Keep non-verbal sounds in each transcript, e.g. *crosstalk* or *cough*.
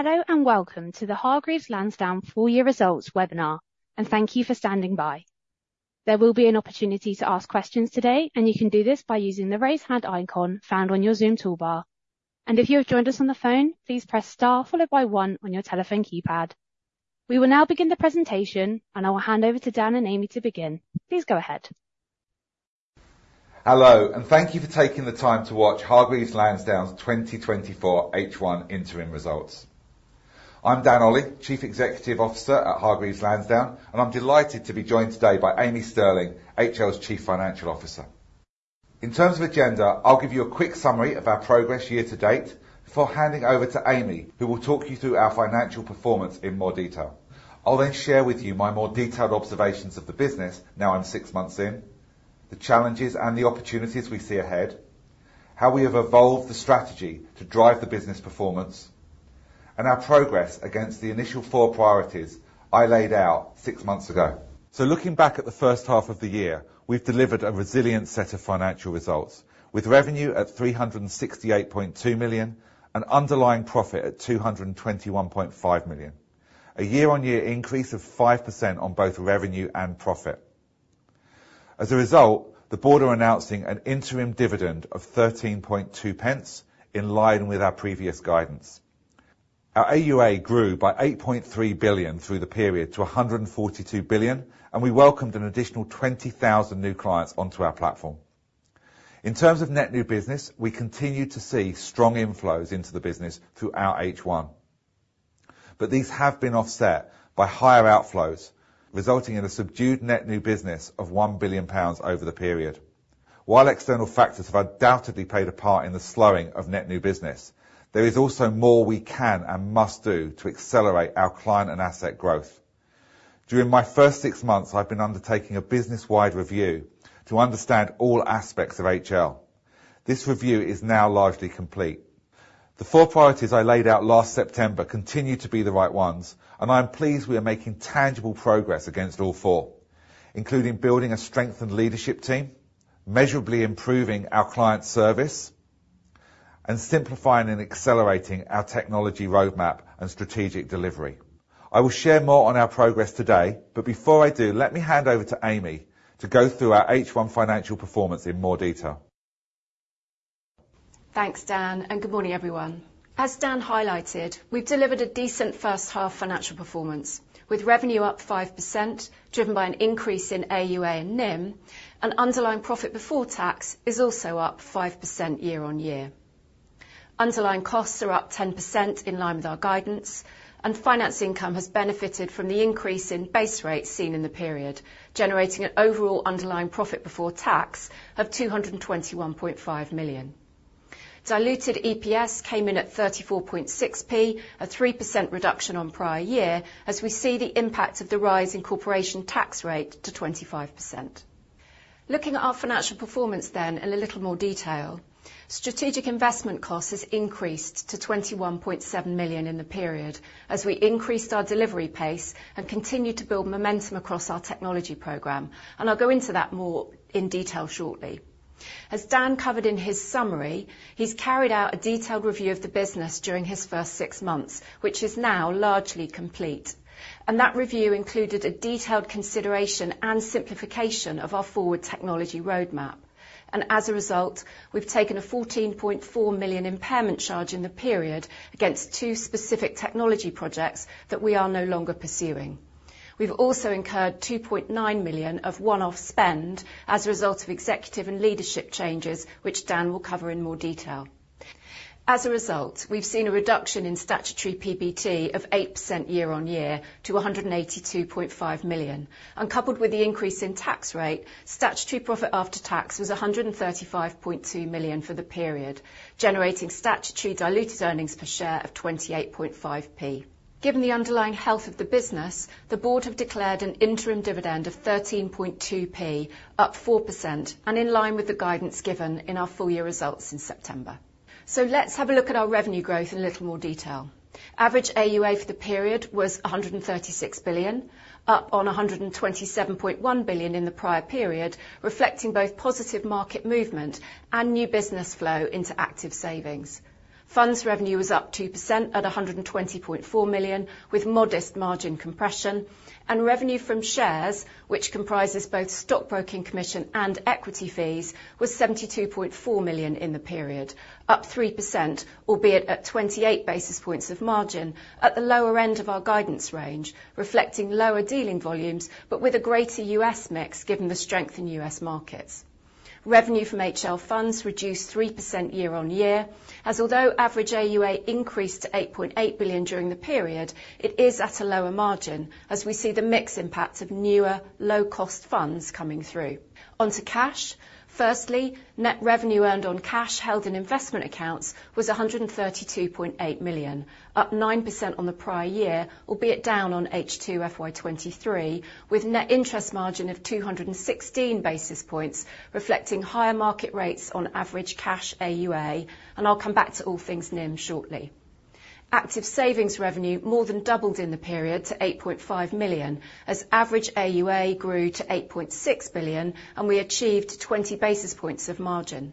Hello and welcome to the Hargreaves Lansdown Full Year Results webinar, and thank you for standing by. There will be an opportunity to ask questions today, and you can do this by using the raise hand icon found on your Zoom toolbar. If you have joined us on the phone, please press star followed by 1 on your telephone keypad. We will now begin the presentation, and I will hand over to Dan and Amy to begin. Please go ahead. Hello, and thank you for taking the time to watch Hargreaves Lansdown's 2024 H1 interim results. I'm Dan Olley, Chief Executive Officer at Hargreaves Lansdown, and I'm delighted to be joined today by Amy Stirling, HL's Chief Financial Officer. In terms of agenda, I'll give you a quick summary of our progress year to date before handing over to Amy, who will talk you through our financial performance in more detail. I'll then share with you my more detailed observations of the business now I'm six months in, the challenges and the opportunities we see ahead, how we have evolved the strategy to drive the business performance, and our progress against the initial four priorities I laid out six months ago. Looking back at the first half of the year, we've delivered a resilient set of financial results, with revenue at 368.2 million and underlying profit at 221.5 million, a year-on-year increase of 5% on both revenue and profit. As a result, the board are announcing an interim dividend of 0.132 in line with our previous guidance. Our AUA grew by 8.3 billion through the period to 142 billion, and we welcomed an additional 20,000 new clients onto our platform. In terms of net new business, we continue to see strong inflows into the business through our H1, but these have been offset by higher outflows, resulting in a subdued net new business of 1 billion pounds over the period. While external factors have undoubtedly played a part in the slowing of net new business, there is also more we can and must do to accelerate our client and asset growth. During my first six months, I've been undertaking a business-wide review to understand all aspects of HL. This review is now largely complete. The four priorities I laid out last September continue to be the right ones, and I am pleased we are making tangible progress against all four, including building a strengthened leadership team, measurably improving our client service, and simplifying and accelerating our technology roadmap and strategic delivery. I will share more on our progress today, but before I do, let me hand over to Amy to go through our H1 financial performance in more detail. Thanks, Dan, and good morning, everyone. As Dan highlighted, we've delivered a decent first-half financial performance, with revenue up 5% driven by an increase in AUA and NIM, and underlying profit before tax is also up 5% year-on-year. Underlying costs are up 10% in line with our guidance, and finance income has benefited from the increase in base rate seen in the period, generating an overall underlying profit before tax of 221.5 million. Diluted EPS came in at 34.6p, a 3% reduction on prior year, as we see the impact of the rise in corporation tax rate to 25%. Looking at our financial performance then in a little more detail, strategic investment cost has increased to 21.7 million in the period as we increased our delivery pace and continued to build momentum across our technology program, and I'll go into that more in detail shortly. As Dan covered in his summary, he's carried out a detailed review of the business during his first six months, which is now largely complete. That review included a detailed consideration and simplification of our forward technology roadmap. As a result, we've taken a 14.4 million impairment charge in the period against two specific technology projects that we are no longer pursuing. We've also incurred 2.9 million of one-off spend as a result of executive and leadership changes, which Dan will cover in more detail. As a result, we've seen a reduction in statutory PBT of 8% year-on-year to 182.5 million. Coupled with the increase in tax rate, statutory profit after tax was 135.2 million for the period, generating statutory diluted earnings per share of 28.5p. Given the underlying health of the business, the board have declared an interim dividend of 13.2p, up 4%, and in line with the guidance given in our full year results in September. Let's have a look at our revenue growth in a little more detail. Average AUA for the period was 136 billion, up on 127.1 billion in the prior period, reflecting both positive market movement and new business flow into Active Savings. Funds revenue was up 2% at 120.4 million, with modest margin compression. Revenue from shares, which comprises both stockbroking commission and equity fees, was 72.4 million in the period, up 3%, albeit at 28 basis points of margin, at the lower end of our guidance range, reflecting lower dealing volumes but with a greater US mix given the strength in US markets. Revenue from HL Funds reduced 3% year-on-year, as although average AUA increased to 8.8 billion during the period, it is at a lower margin as we see the mix impact of newer, low-cost funds coming through. Onto cash. Firstly, net revenue earned on cash held in investment accounts was 132.8 million, up 9% on the prior year, albeit down on H2 FY23, with net interest margin of 216 basis points, reflecting higher market rates on average cash AUA, and I'll come back to all things NIM shortly. Active Savings revenue more than doubled in the period to 8.5 million as average AUA grew to 8.6 billion, and we achieved 20 basis points of margin.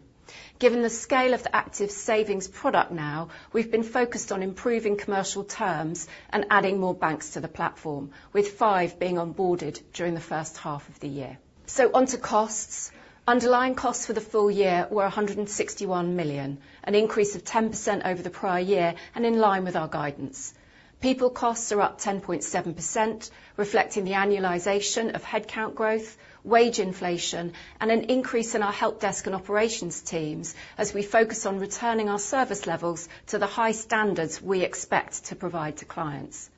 Given the scale of the Active Savings product now, we've been focused on improving commercial terms and adding more banks to the platform, with five being onboarded during the first half of the year. So onto costs. Underlying costs for the full year were 161 million, an increase of 10% over the prior year and in line with our guidance. People costs are up 10.7%, reflecting the annualization of headcount growth, wage inflation, and an increase in our help desk and operations teams as we focus on returning our service levels to the high standards we expect to provide to clients.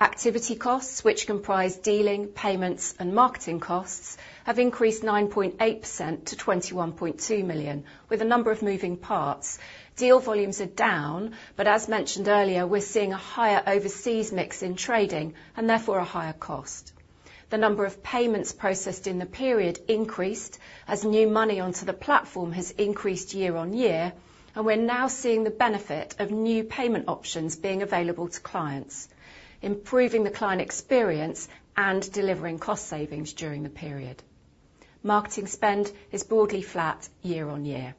Activity costs, which comprise dealing, payments, and marketing costs, have increased 9.8% to 21.2 million, with a number of moving parts. Deal volumes are down, but as mentioned earlier, we're seeing a higher overseas mix in trading and therefore a higher cost. The number of payments processed in the period increased as new money onto the platform has increased year-on-year, and we're now seeing the benefit of new payment options being available to clients, improving the client experience and delivering cost savings during the period. Marketing spend is broadly flat year-on-year.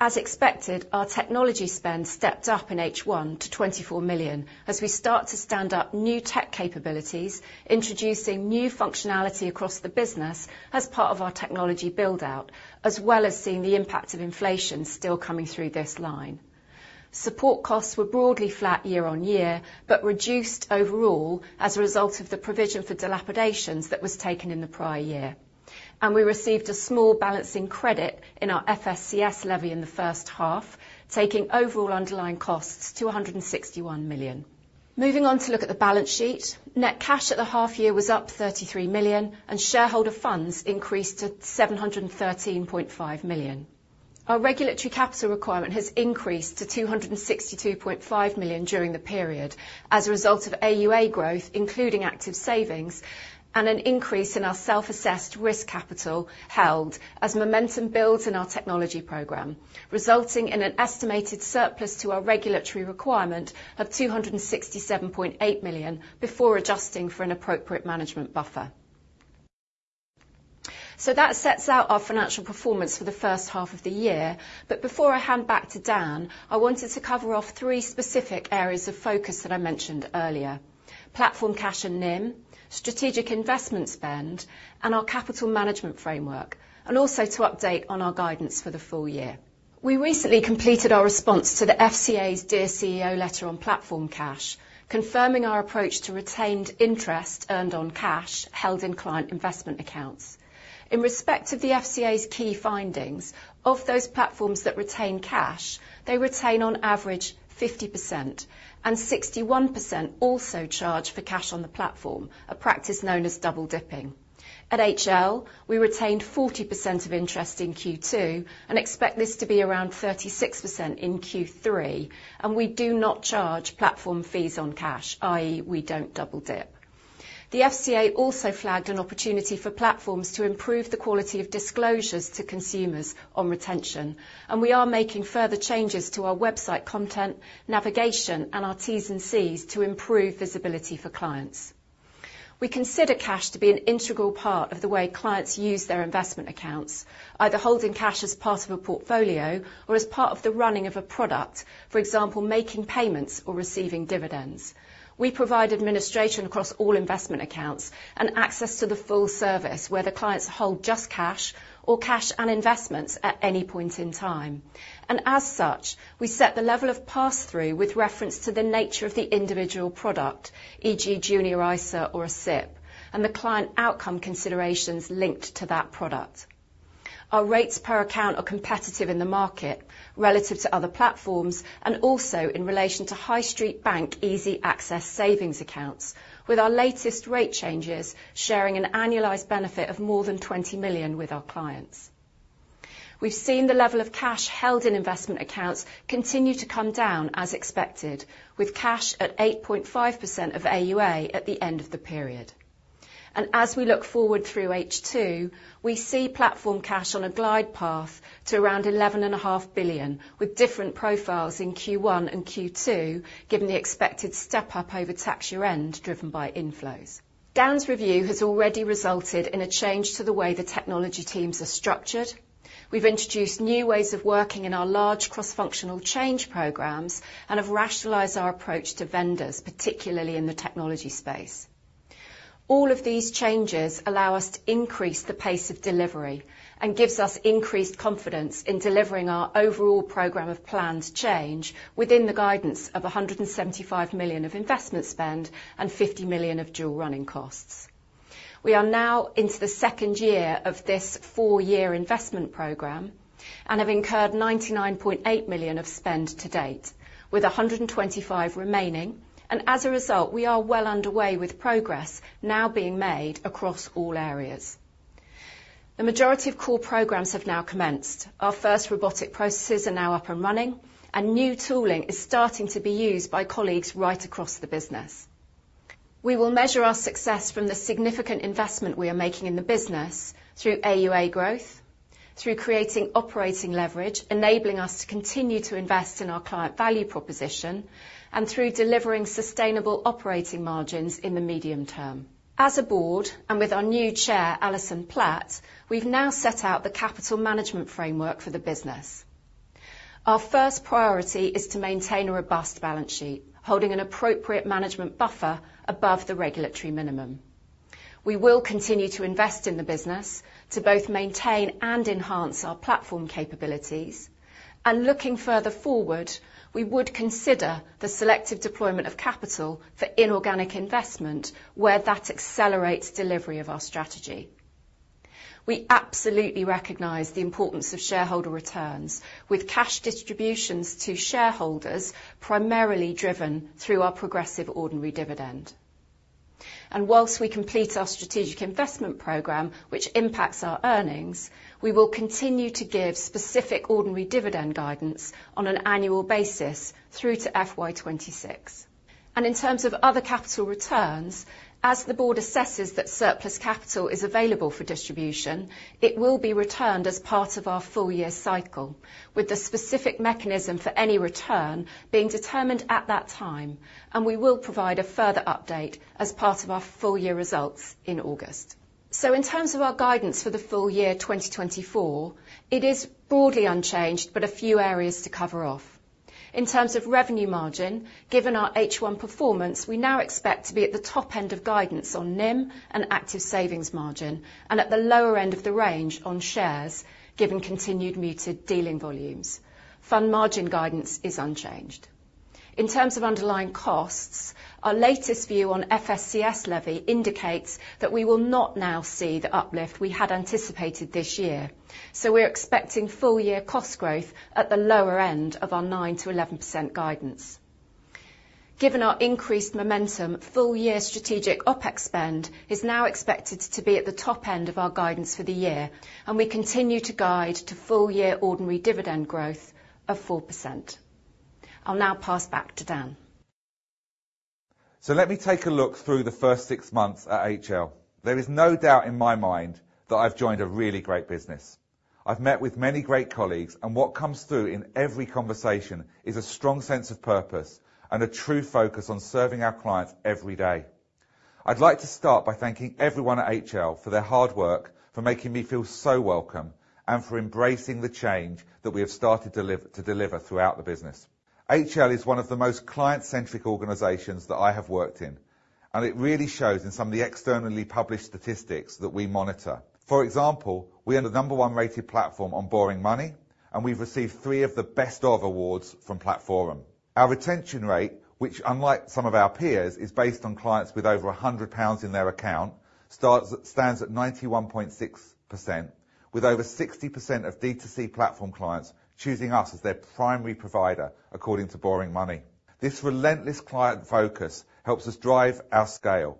As expected, our technology spend stepped up in H1 to 24 million as we start to stand up new tech capabilities, introducing new functionality across the business as part of our technology build-out, as well as seeing the impact of inflation still coming through this line. Support costs were broadly flat year-on-year but reduced overall as a result of the provision for dilapidations that was taken in the prior year. And we received a small balancing credit in our FSCS levy in the first half, taking overall underlying costs to 161 million. Moving on to look at the balance sheet, net cash at the half year was up 33 million, and shareholder funds increased to 713.5 million. Our regulatory capital requirement has increased to 262.5 million during the period as a result of AUA growth, including Active Savings, and an increase in our self-assessed risk capital held as momentum builds in our technology program, resulting in an estimated surplus to our regulatory requirement of 267.8 million before adjusting for an appropriate management buffer. So that sets out our financial performance for the first half of the year, but before I hand back to Dan, I wanted to cover off three specific areas of focus that I mentioned earlier: platform cash and NIM, strategic investment spend, and our capital management framework, and also to update on our guidance for the full year. We recently completed our response to the FCA's Dear CEO letter on platform cash, confirming our approach to retained interest earned on cash held in client investment accounts. In respect of the FCA's key findings, of those platforms that retain cash, they retain on average 50%, and 61% also charge for cash on the platform, a practice known as double dipping. At HL, we retained 40% of interest in Q2 and expect this to be around 36% in Q3, and we do not charge platform fees on cash, i.e., we don't double dip. The FCA also flagged an opportunity for platforms to improve the quality of disclosures to consumers on retention, and we are making further changes to our website content, navigation, and our Ts and Cs to improve visibility for clients. We consider cash to be an integral part of the way clients use their investment accounts, either holding cash as part of a portfolio or as part of the running of a product, for example, making payments or receiving dividends. We provide administration across all investment accounts and access to the full service where the clients hold just cash or cash and investments at any point in time. And as such, we set the level of pass-through with reference to the nature of the individual product, e.g., Junior ISA or a SIPP, and the client outcome considerations linked to that product. Our rates per account are competitive in the market relative to other platforms and also in relation to high street bank easy access savings accounts, with our latest rate changes sharing an annualized benefit of more than 20 million with our clients. We've seen the level of cash held in investment accounts continue to come down as expected, with cash at 8.5% of AUA at the end of the period. As we look forward through H2, we see platform cash on a glide path to around 11.5 billion, with different profiles in Q1 and Q2 given the expected step-up over tax year-end driven by inflows. Dan's review has already resulted in a change to the way the technology teams are structured. We've introduced new ways of working in our large cross-functional change programs and have rationalized our approach to vendors, particularly in the technology space. All of these changes allow us to increase the pace of delivery and give us increased confidence in delivering our overall program of planned change within the guidance of 175 million of investment spend and 50 million of dual running costs. We are now into the second year of this 4-year investment program and have incurred 99.8 million of spend to date, with 125 million remaining, and as a result, we are well underway with progress now being made across all areas. The majority of core programs have now commenced. Our first robotic processes are now up and running, and new tooling is starting to be used by colleagues right across the business. We will measure our success from the significant investment we are making in the business through AUA growth, through creating operating leverage enabling us to continue to invest in our client value proposition, and through delivering sustainable operating margins in the medium term. As a board and with our new chair, Alison Platt, we've now set out the capital management framework for the business. Our first priority is to maintain a robust balance sheet, holding an appropriate management buffer above the regulatory minimum. We will continue to invest in the business to both maintain and enhance our platform capabilities, and looking further forward, we would consider the selective deployment of capital for inorganic investment where that accelerates delivery of our strategy. We absolutely recognize the importance of shareholder returns, with cash distributions to shareholders primarily driven through our progressive ordinary dividend. Whilst we complete our strategic investment program, which impacts our earnings, we will continue to give specific ordinary dividend guidance on an annual basis through to FY26. In terms of other capital returns, as the board assesses that surplus capital is available for distribution, it will be returned as part of our full year cycle, with the specific mechanism for any return being determined at that time, and we will provide a further update as part of our full year results in August. In terms of our guidance for the full year 2024, it is broadly unchanged but a few areas to cover off. In terms of revenue margin, given our H1 performance, we now expect to be at the top end of guidance on NIM and Active Savings margin and at the lower end of the range on shares given continued muted dealing volumes. Fund margin guidance is unchanged. In terms of underlying costs, our latest view on FSCS levy indicates that we will not now see the uplift we had anticipated this year, so we're expecting full year cost growth at the lower end of our 9%-11% guidance. Given our increased momentum, full year strategic OpEx spend is now expected to be at the top end of our guidance for the year, and we continue to guide to full year ordinary dividend growth of 4%. I'll now pass back to Dan. So let me take a look through the first six months at HL. There is no doubt in my mind that I've joined a really great business. I've met with many great colleagues, and what comes through in every conversation is a strong sense of purpose and a true focus on serving our clients every day. I'd like to start by thanking everyone at HL for their hard work, for making me feel so welcome, and for embracing the change that we have started to deliver throughout the business. HL is one of the most client-centric organizations that I have worked in, and it really shows in some of the externally published statistics that we monitor. For example, we are the number one rated platform on Boring Money, and we've received three of the Best Of awards from Platforum. Our retention rate, which unlike some of our peers is based on clients with over 100 pounds in their account, stands at 91.6%, with over 60% of D2C platform clients choosing us as their primary provider according to Boring Money. This relentless client focus helps us drive our scale.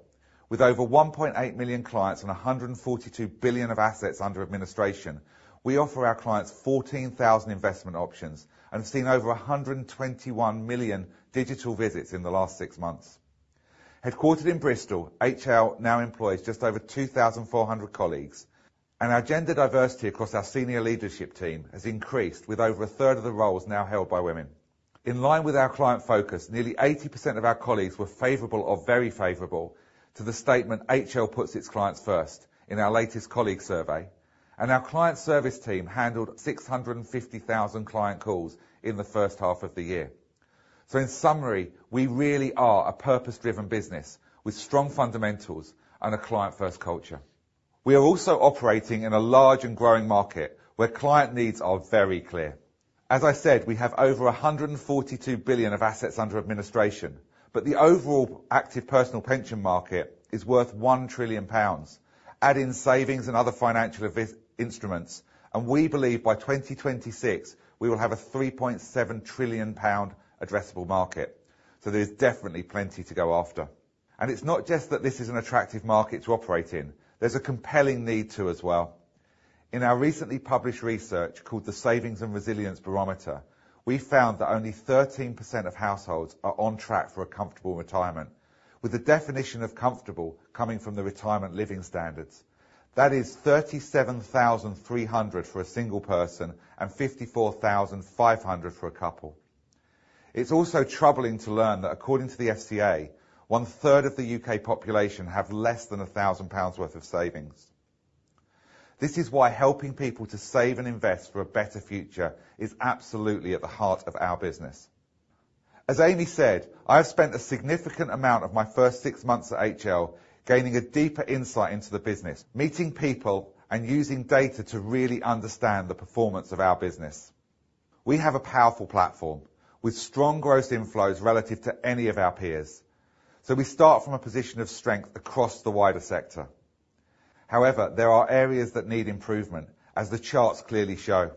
With over 1.8 million clients and 142 billion of assets under administration, we offer our clients 14,000 investment options and have seen over 121 million digital visits in the last six months. Headquartered in Bristol, HL now employs just over 2,400 colleagues, and our gender diversity across our senior leadership team has increased with over a third of the roles now held by women. In line with our client focus, nearly 80% of our colleagues were favorable or very favorable to the statement "HL puts its clients first" in our latest colleague survey, and our client service team handled 650,000 client calls in the first half of the year. So in summary, we really are a purpose-driven business with strong fundamentals and a client-first culture. We are also operating in a large and growing market where client needs are very clear. As I said, we have over 142 billion of assets under administration, but the overall active personal pension market is worth 1 trillion pounds, add in savings and other financial instruments, and we believe by 2026 we will have a 3.7 trillion pound addressable market. So there's definitely plenty to go after. And it's not just that this is an attractive market to operate in; there's a compelling need to as well. In our recently published research called The Savings and Resilience Barometer, we found that only 13% of households are on track for a comfortable retirement, with the definition of comfortable coming from the Retirement Living Standards. That is 37,300 for a single person and 54,500 for a couple. It's also troubling to learn that according to the FCA, 1/3 of the U.K. population have less than 1,000 pounds worth of savings. This is why helping people to save and invest for a better future is absolutely at the heart of our business. As Amy said, I have spent a significant amount of my first six months at HL gaining a deeper insight into the business, meeting people, and using data to really understand the performance of our business. We have a powerful platform with strong growth inflows relative to any of our peers, so we start from a position of strength across the wider sector. However, there are areas that need improvement, as the charts clearly show.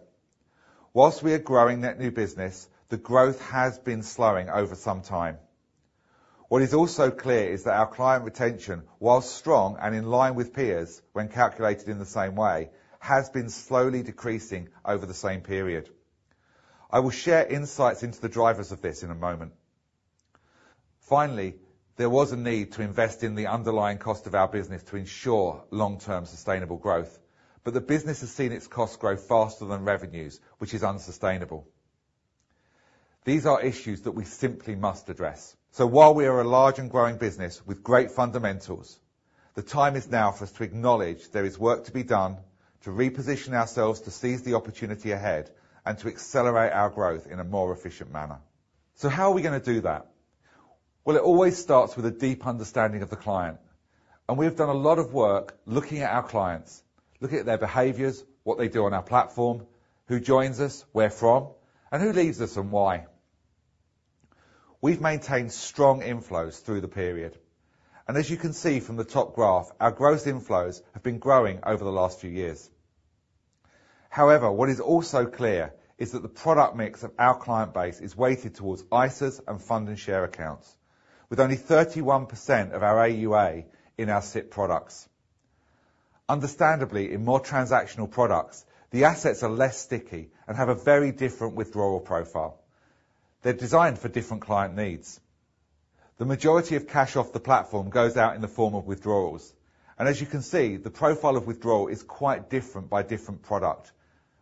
While we are growing net new business, the growth has been slowing over some time. What is also clear is that our client retention, while strong and in line with peers when calculated in the same way, has been slowly decreasing over the same period. I will share insights into the drivers of this in a moment. Finally, there was a need to invest in the underlying cost of our business to ensure long-term sustainable growth, but the business has seen its costs grow faster than revenues, which is unsustainable. These are issues that we simply must address. So while we are a large and growing business with great fundamentals, the time is now for us to acknowledge there is work to be done to reposition ourselves to seize the opportunity ahead and to accelerate our growth in a more efficient manner. So how are we going to do that? Well, it always starts with a deep understanding of the client, and we have done a lot of work looking at our clients, looking at their behaviors, what they do on our platform, who joins us, where from, and who leaves us and why. We've maintained strong inflows through the period, and as you can see from the top graph, our growth inflows have been growing over the last few years. However, what is also clear is that the product mix of our client base is weighted towards ISAs and Fund and Share Accounts, with only 31% of our AUA in our SIPP products. Understandably, in more transactional products, the assets are less sticky and have a very different withdrawal profile. They're designed for different client needs. The majority of cash off the platform goes out in the form of withdrawals, and as you can see, the profile of withdrawal is quite different by different product,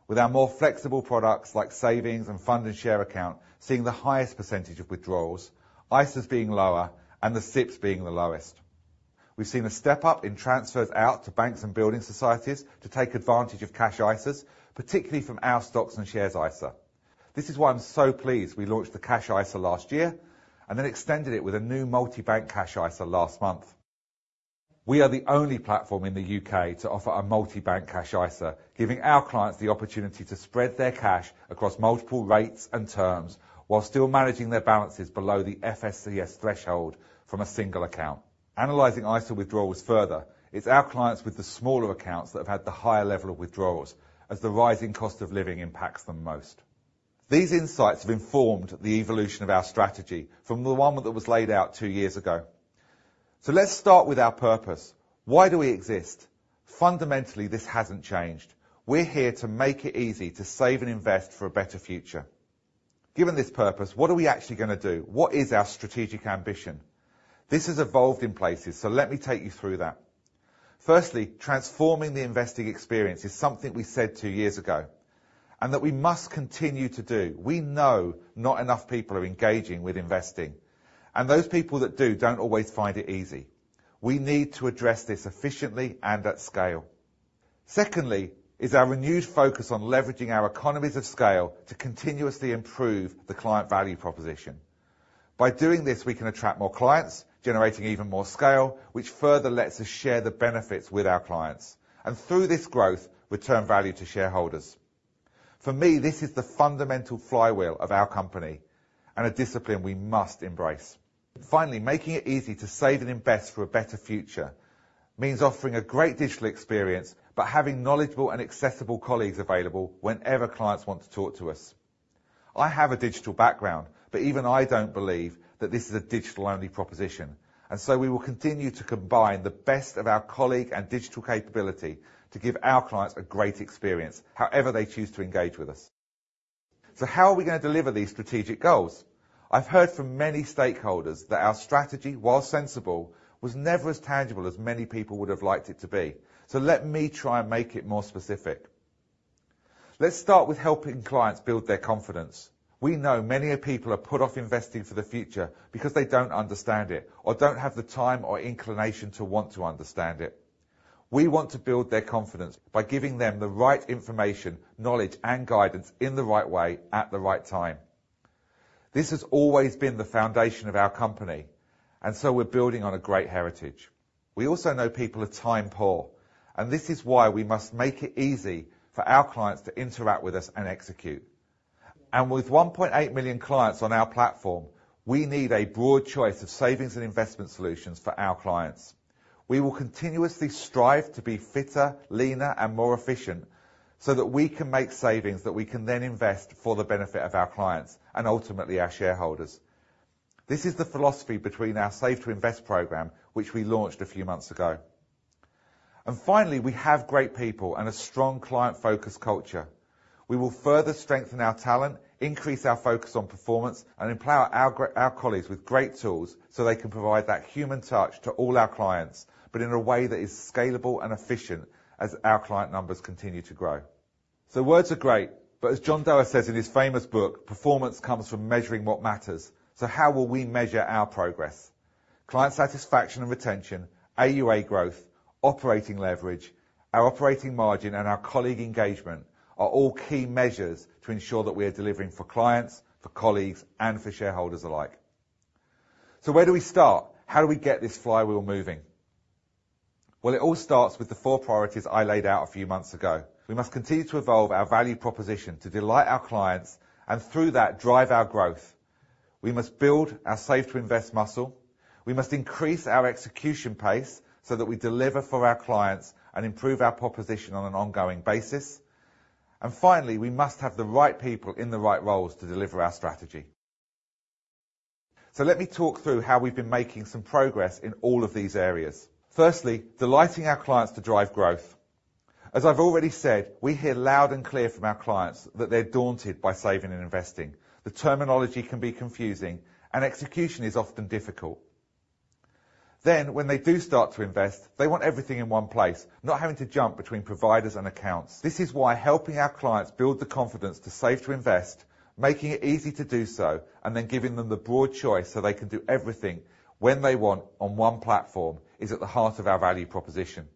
with our more flexible products like savings and Fund and Share Account seeing the highest percentage of withdrawals, ISAs being lower, and the SIPPs being the lowest. We've seen a step-up in transfers out to banks and building societies to take advantage of Cash ISAs, particularly from our Stocks and Shares ISA. This is why I'm so pleased we launched the Cash ISA last year and then extended it with a new Multi-Bank Cash ISA last month. We are the only platform in the UK to offer a Multi-Bank Cash ISA, giving our clients the opportunity to spread their cash across multiple rates and terms while still managing their balances below the FSCS threshold from a single account. Analyzing ISA withdrawals further, it's our clients with the smaller accounts that have had the higher level of withdrawals, as the rising cost of living impacts them most. These insights have informed the evolution of our strategy from the one that was laid out two years ago. So let's start with our purpose. Why do we exist? Fundamentally, this hasn't changed. We're here to make it easy to save and invest for a better future. Given this purpose, what are we actually going to do? What is our strategic ambition? This has evolved in places, so let me take you through that. Firstly, transforming the investing experience is something we said two years ago and that we must continue to do. We know not enough people are engaging with investing, and those people that do don't always find it easy. We need to address this efficiently and at scale. Secondly, is our renewed focus on leveraging our economies of scale to continuously improve the client value proposition. By doing this, we can attract more clients, generating even more scale, which further lets us share the benefits with our clients and, through this growth, return value to shareholders. For me, this is the fundamental flywheel of our company and a discipline we must embrace. Finally, making it easy to save and invest for a better future means offering a great digital experience but having knowledgeable and accessible colleagues available whenever clients want to talk to us. I have a digital background, but even I don't believe that this is a digital-only proposition, and so we will continue to combine the best of our colleague and digital capability to give our clients a great experience, however they choose to engage with us. So how are we going to deliver these strategic goals? I've heard from many stakeholders that our strategy, while sensible, was never as tangible as many people would have liked it to be, so let me try and make it more specific. Let's start with helping clients build their confidence. We know many people are put off investing for the future because they don't understand it or don't have the time or inclination to want to understand it. We want to build their confidence by giving them the right information, knowledge, and guidance in the right way at the right time. This has always been the foundation of our company, and so we're building on a great heritage. We also know people are time poor, and this is why we must make it easy for our clients to interact with us and execute. And with 1.8 million clients on our platform, we need a broad choice of savings and investment solutions for our clients. We will continuously strive to be fitter, leaner, and more efficient so that we can make savings that we can then invest for the benefit of our clients and ultimately our shareholders. This is the philosophy between our Save to Invest program, which we launched a few months ago. And finally, we have great people and a strong client-focused culture. We will further strengthen our talent, increase our focus on performance, and empower our colleagues with great tools so they can provide that human touch to all our clients, but in a way that is scalable and efficient as our client numbers continue to grow. So words are great, but as John Doerr says in his famous book, "Performance comes from measuring what matters," so how will we measure our progress? Client satisfaction and retention, AUA growth, operating leverage, our operating margin, and our colleague engagement are all key measures to ensure that we are delivering for clients, for colleagues, and for shareholders alike. So where do we start? How do we get this flywheel moving? Well, it all starts with the four priorities I laid out a few months ago. We must continue to evolve our value proposition to delight our clients and, through that, drive our growth. We must build our Save to Invest muscle. We must increase our execution pace so that we deliver for our clients and improve our proposition on an ongoing basis. And finally, we must have the right people in the right roles to deliver our strategy. So let me talk through how we've been making some progress in all of these areas. Firstly, delighting our clients to drive growth. As I've already said, we hear loud and clear from our clients that they're daunted by saving and investing. The terminology can be confusing, and execution is often difficult. Then, when they do start to invest, they want everything in one place, not having to jump between providers and accounts. This is why helping our clients build the confidence to save to invest, making it easy to do so, and then giving them the broad choice so they can do everything when they want on one platform is at the heart of our value proposition.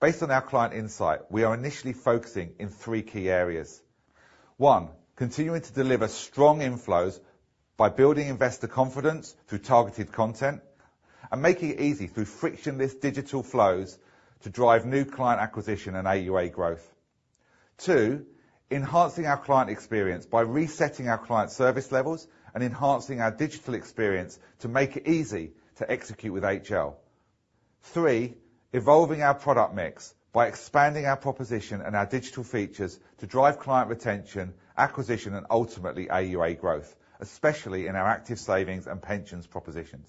Based on our client insight, we are initially focusing in three key areas. One, continuing to deliver strong inflows by building investor confidence through targeted content and making it easy through frictionless digital flows to drive new client acquisition and AUA growth. Two, enhancing our client experience by resetting our client service levels and enhancing our digital experience to make it easy to execute with HL. Three, evolving our product mix by expanding our proposition and our digital features to drive client retention, acquisition, and ultimately AUA growth, especially in our Active Savings and pensions propositions.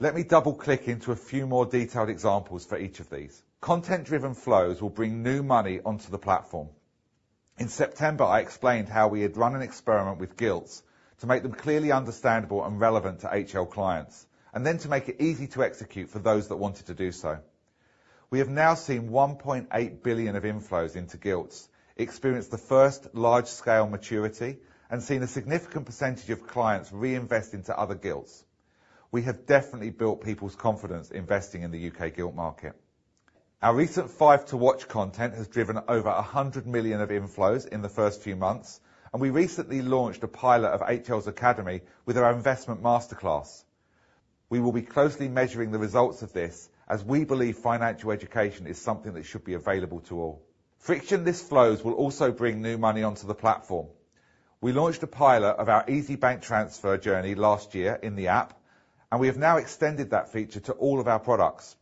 Let me double-click into a few more detailed examples for each of these. Content-driven flows will bring new money onto the platform. In September, I explained how we had run an experiment with gilts to make them clearly understandable and relevant to HL clients and then to make it easy to execute for those that wanted to do so. We have now seen 1.8 billion of inflows into gilts, experienced the first large-scale maturity, and seen a significant percentage of clients reinvest into other gilts. We have definitely built people's confidence investing in the UK gilt market. Our recent Five to Watch content has driven over 100 million of inflows in the first few months, and we recently launched a pilot of HL Academy with our investment masterclass. We will be closely measuring the results of this as we believe financial education is something that should be available to all. Frictionless flows will also bring new money onto the platform. We launched a pilot of our Easy Bank Transfer journey last year in the app, and we have now extended that feature to all of our products,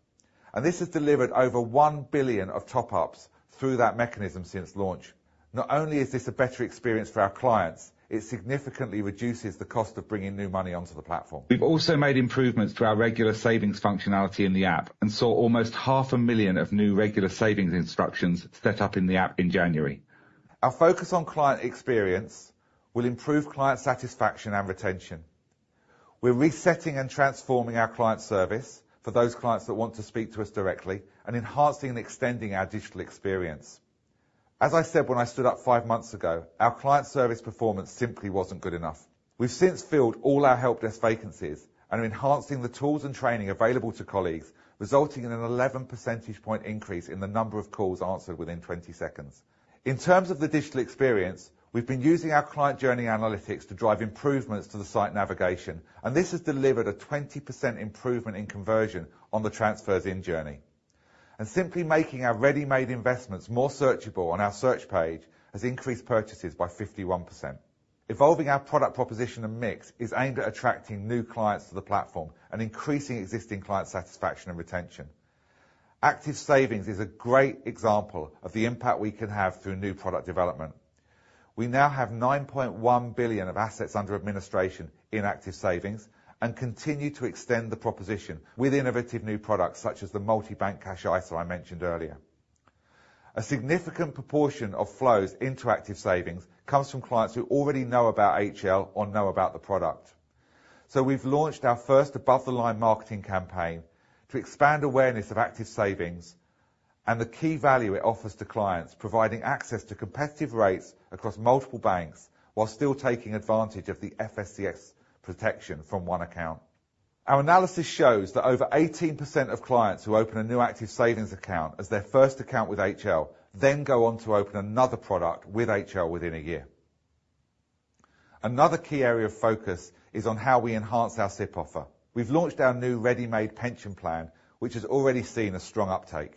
and this has delivered over 1 billion of top-ups through that mechanism since launch. Not only is this a better experience for our clients, it significantly reduces the cost of bringing new money onto the platform. We've also made improvements to our regular savings functionality in the app and saw almost 500,000 new regular savings instructions set up in the app in January. Our focus on client experience will improve client satisfaction and retention. We're resetting and transforming our client service for those clients that want to speak to us directly and enhancing and extending our digital experience. As I said when I stood up five months ago, our client service performance simply wasn't good enough. We've since filled all our help desk vacancies and are enhancing the tools and training available to colleagues, resulting in an 11 percentage point increase in the number of calls answered within 20 seconds. In terms of the digital experience, we've been using our client journey analytics to drive improvements to the site navigation, and this has delivered a 20% improvement in conversion on the transfers in journey. Simply making our Ready-Made Investments more searchable on our search page has increased purchases by 51%. Evolving our product proposition and mix is aimed at attracting new clients to the platform and increasing existing client satisfaction and retention. Active Savings is a great example of the impact we can have through new product development. We now have 9.1 billion of assets under administration in Active Savings and continue to extend the proposition with innovative new products such as the Multi-Bank Cash ISA I mentioned earlier. A significant proportion of flows into Active Savings comes from clients who already know about HL or know about the product. So we've launched our first above-the-line marketing campaign to expand awareness of Active Savings and the key value it offers to clients, providing access to competitive rates across multiple banks while still taking advantage of the FSCS protection from one account. Our analysis shows that over 18% of clients who open a new Active Savings account as their first account with HL then go on to open another product with HL within a year. Another key area of focus is on how we enhance our SIPP offer. We've launched our new Ready-Made Pension Plan, which has already seen a strong uptake.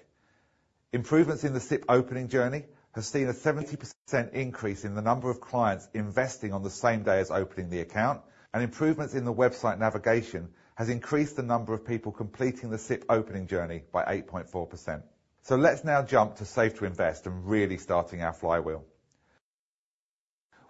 Improvements in the SIPP opening journey have seen an 80% increase in the number of clients investing on the same day as opening the account, and improvements in the website navigation have increased the number of people completing the SIPP opening journey by 8.4%. So let's now jump to Save to Invest and really starting our flywheel.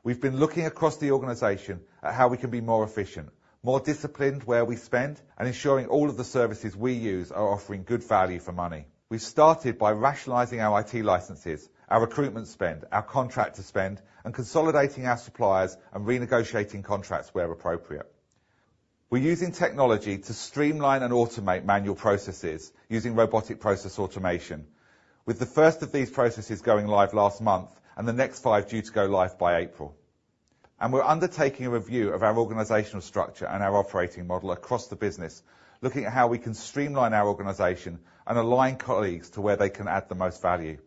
We've been looking across the organization at how we can be more efficient, more disciplined where we spend, and ensuring all of the services we use are offering good value for money. We've started by rationalizing our IT licenses, our recruitment spend, our contractor spend, and consolidating our suppliers and renegotiating contracts where appropriate. We're using technology to streamline and automate manual processes using robotic process automation, with the first of these processes going live last month and the next five due to go live by April. And we're undertaking a review of our organizational structure and our operating model across the business, looking at how we can streamline our organization and align colleagues to where they can add the most value,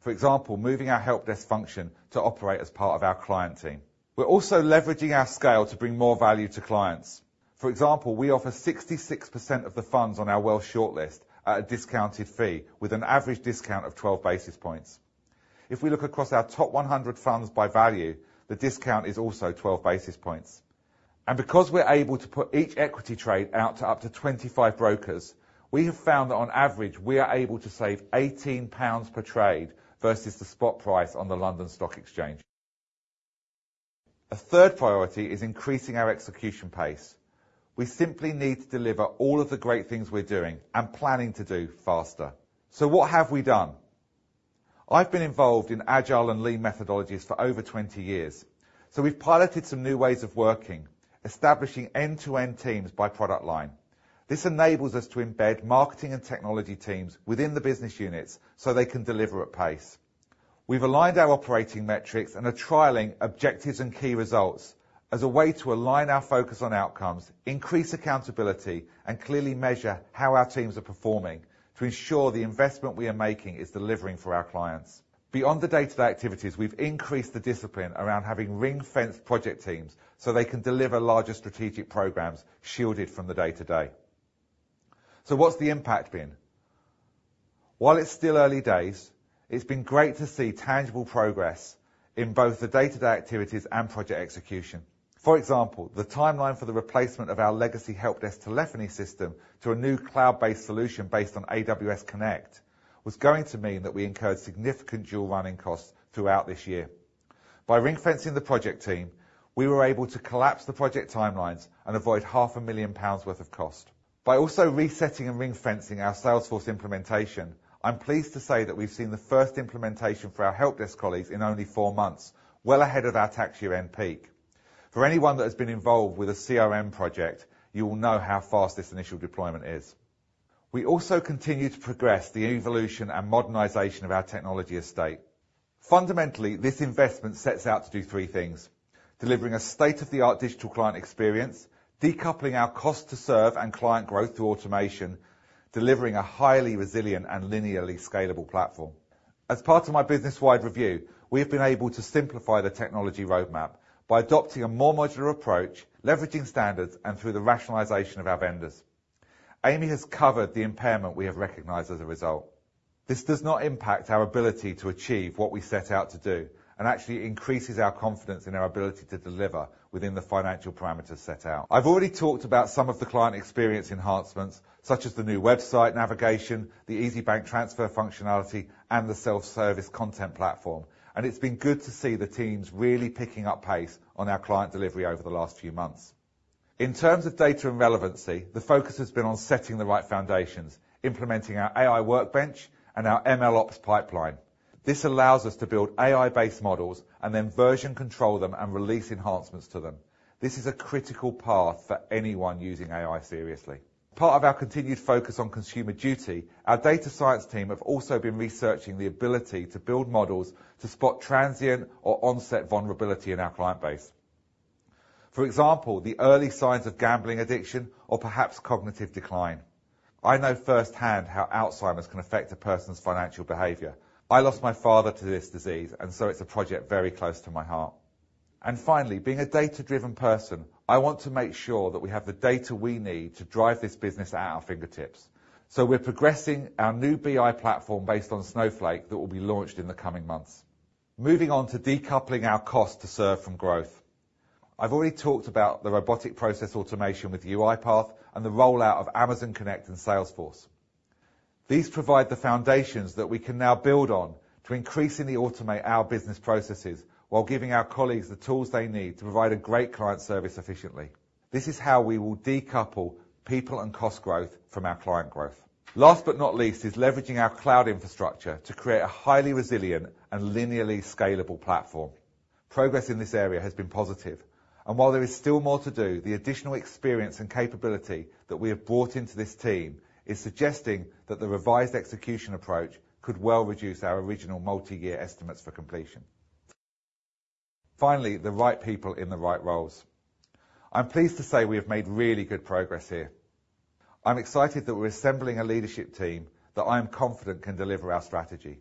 for example, moving our help desk function to operate as part of our client team. We're also leveraging our scale to bring more value to clients. For example, we offer 66% of the funds on our Wealth Shortlist at a discounted fee with an average discount of 12 basis points. If we look across our top 100 funds by value, the discount is also 12 basis points. And because we're able to put each equity trade out to up to 25 brokers, we have found that on average we are able to save 18 pounds per trade versus the spot price on the London Stock Exchange. A third priority is increasing our execution pace. We simply need to deliver all of the great things we're doing and planning to do faster. So what have we done? I've been involved in Agile and Lean methodologies for over 20 years, so we've piloted some new ways of working, establishing end-to-end teams by product line. This enables us to embed marketing and technology teams within the business units so they can deliver at pace. We've aligned our operating metrics and are trialing Objectives and Key Results as a way to align our focus on outcomes, increase accountability, and clearly measure how our teams are performing to ensure the investment we are making is delivering for our clients. Beyond the day-to-day activities, we've increased the discipline around having ring-fenced project teams so they can deliver larger strategic programs shielded from the day-to-day. So what's the impact been? While it's still early days, it's been great to see tangible progress in both the day-to-day activities and project execution. For example, the timeline for the replacement of our legacy help desk telephony system to a new cloud-based solution based on Amazon Connect was going to mean that we incurred significant dual running costs throughout this year. By ring-fencing the project team, we were able to collapse the project timelines and avoid 500,000 pounds worth of cost. By also resetting and ring-fencing our Salesforce implementation, I'm pleased to say that we've seen the first implementation for our help desk colleagues in only four months, well ahead of our tax year-end peak. For anyone that has been involved with a CRM project, you will know how fast this initial deployment is. We also continue to progress the evolution and modernization of our technology estate. Fundamentally, this investment sets out to do three things: delivering a state-of-the-art digital client experience, decoupling our cost-to-serve and client growth through automation, and delivering a highly resilient and linearly scalable platform. As part of my business-wide review, we have been able to simplify the technology roadmap by adopting a more modular approach, leveraging standards, and through the rationalization of our vendors. Amy has covered the impairment we have recognized as a result. This does not impact our ability to achieve what we set out to do and actually increases our confidence in our ability to deliver within the financial parameters set out. I've already talked about some of the client experience enhancements such as the new website navigation, the easy bank transfer functionality, and the self-service content platform, and it's been good to see the teams really picking up pace on our client delivery over the last few months. In terms of data and relevancy, the focus has been on setting the right foundations, implementing our AI workbench and our MLOps pipeline. This allows us to build AI-based models and then version control them and release enhancements to them. This is a critical path for anyone using AI seriously. Part of our continued focus on Consumer Duty, our data science team have also been researching the ability to build models to spot transient or onset vulnerability in our client base. For example, the early signs of gambling addiction or perhaps cognitive decline. I know firsthand how Alzheimer's can affect a person's financial behavior. I lost my father to this disease, and so it's a project very close to my heart. Finally, being a data-driven person, I want to make sure that we have the data we need to drive this business at our fingertips. So we're progressing our new BI platform based on Snowflake that will be launched in the coming months. Moving on to decoupling our cost-to-serve from growth. I've already talked about the robotic process automation with UiPath and the rollout of Amazon Connect and Salesforce. These provide the foundations that we can now build on to increasingly automate our business processes while giving our colleagues the tools they need to provide a great client service efficiently. This is how we will decouple people and cost growth from our client growth. Last but not least is leveraging our cloud infrastructure to create a highly resilient and linearly scalable platform. Progress in this area has been positive, and while there is still more to do, the additional experience and capability that we have brought into this team is suggesting that the revised execution approach could well reduce our original multi-year estimates for completion. Finally, the right people in the right roles. I'm pleased to say we have made really good progress here. I'm excited that we're assembling a leadership team that I am confident can deliver our strategy.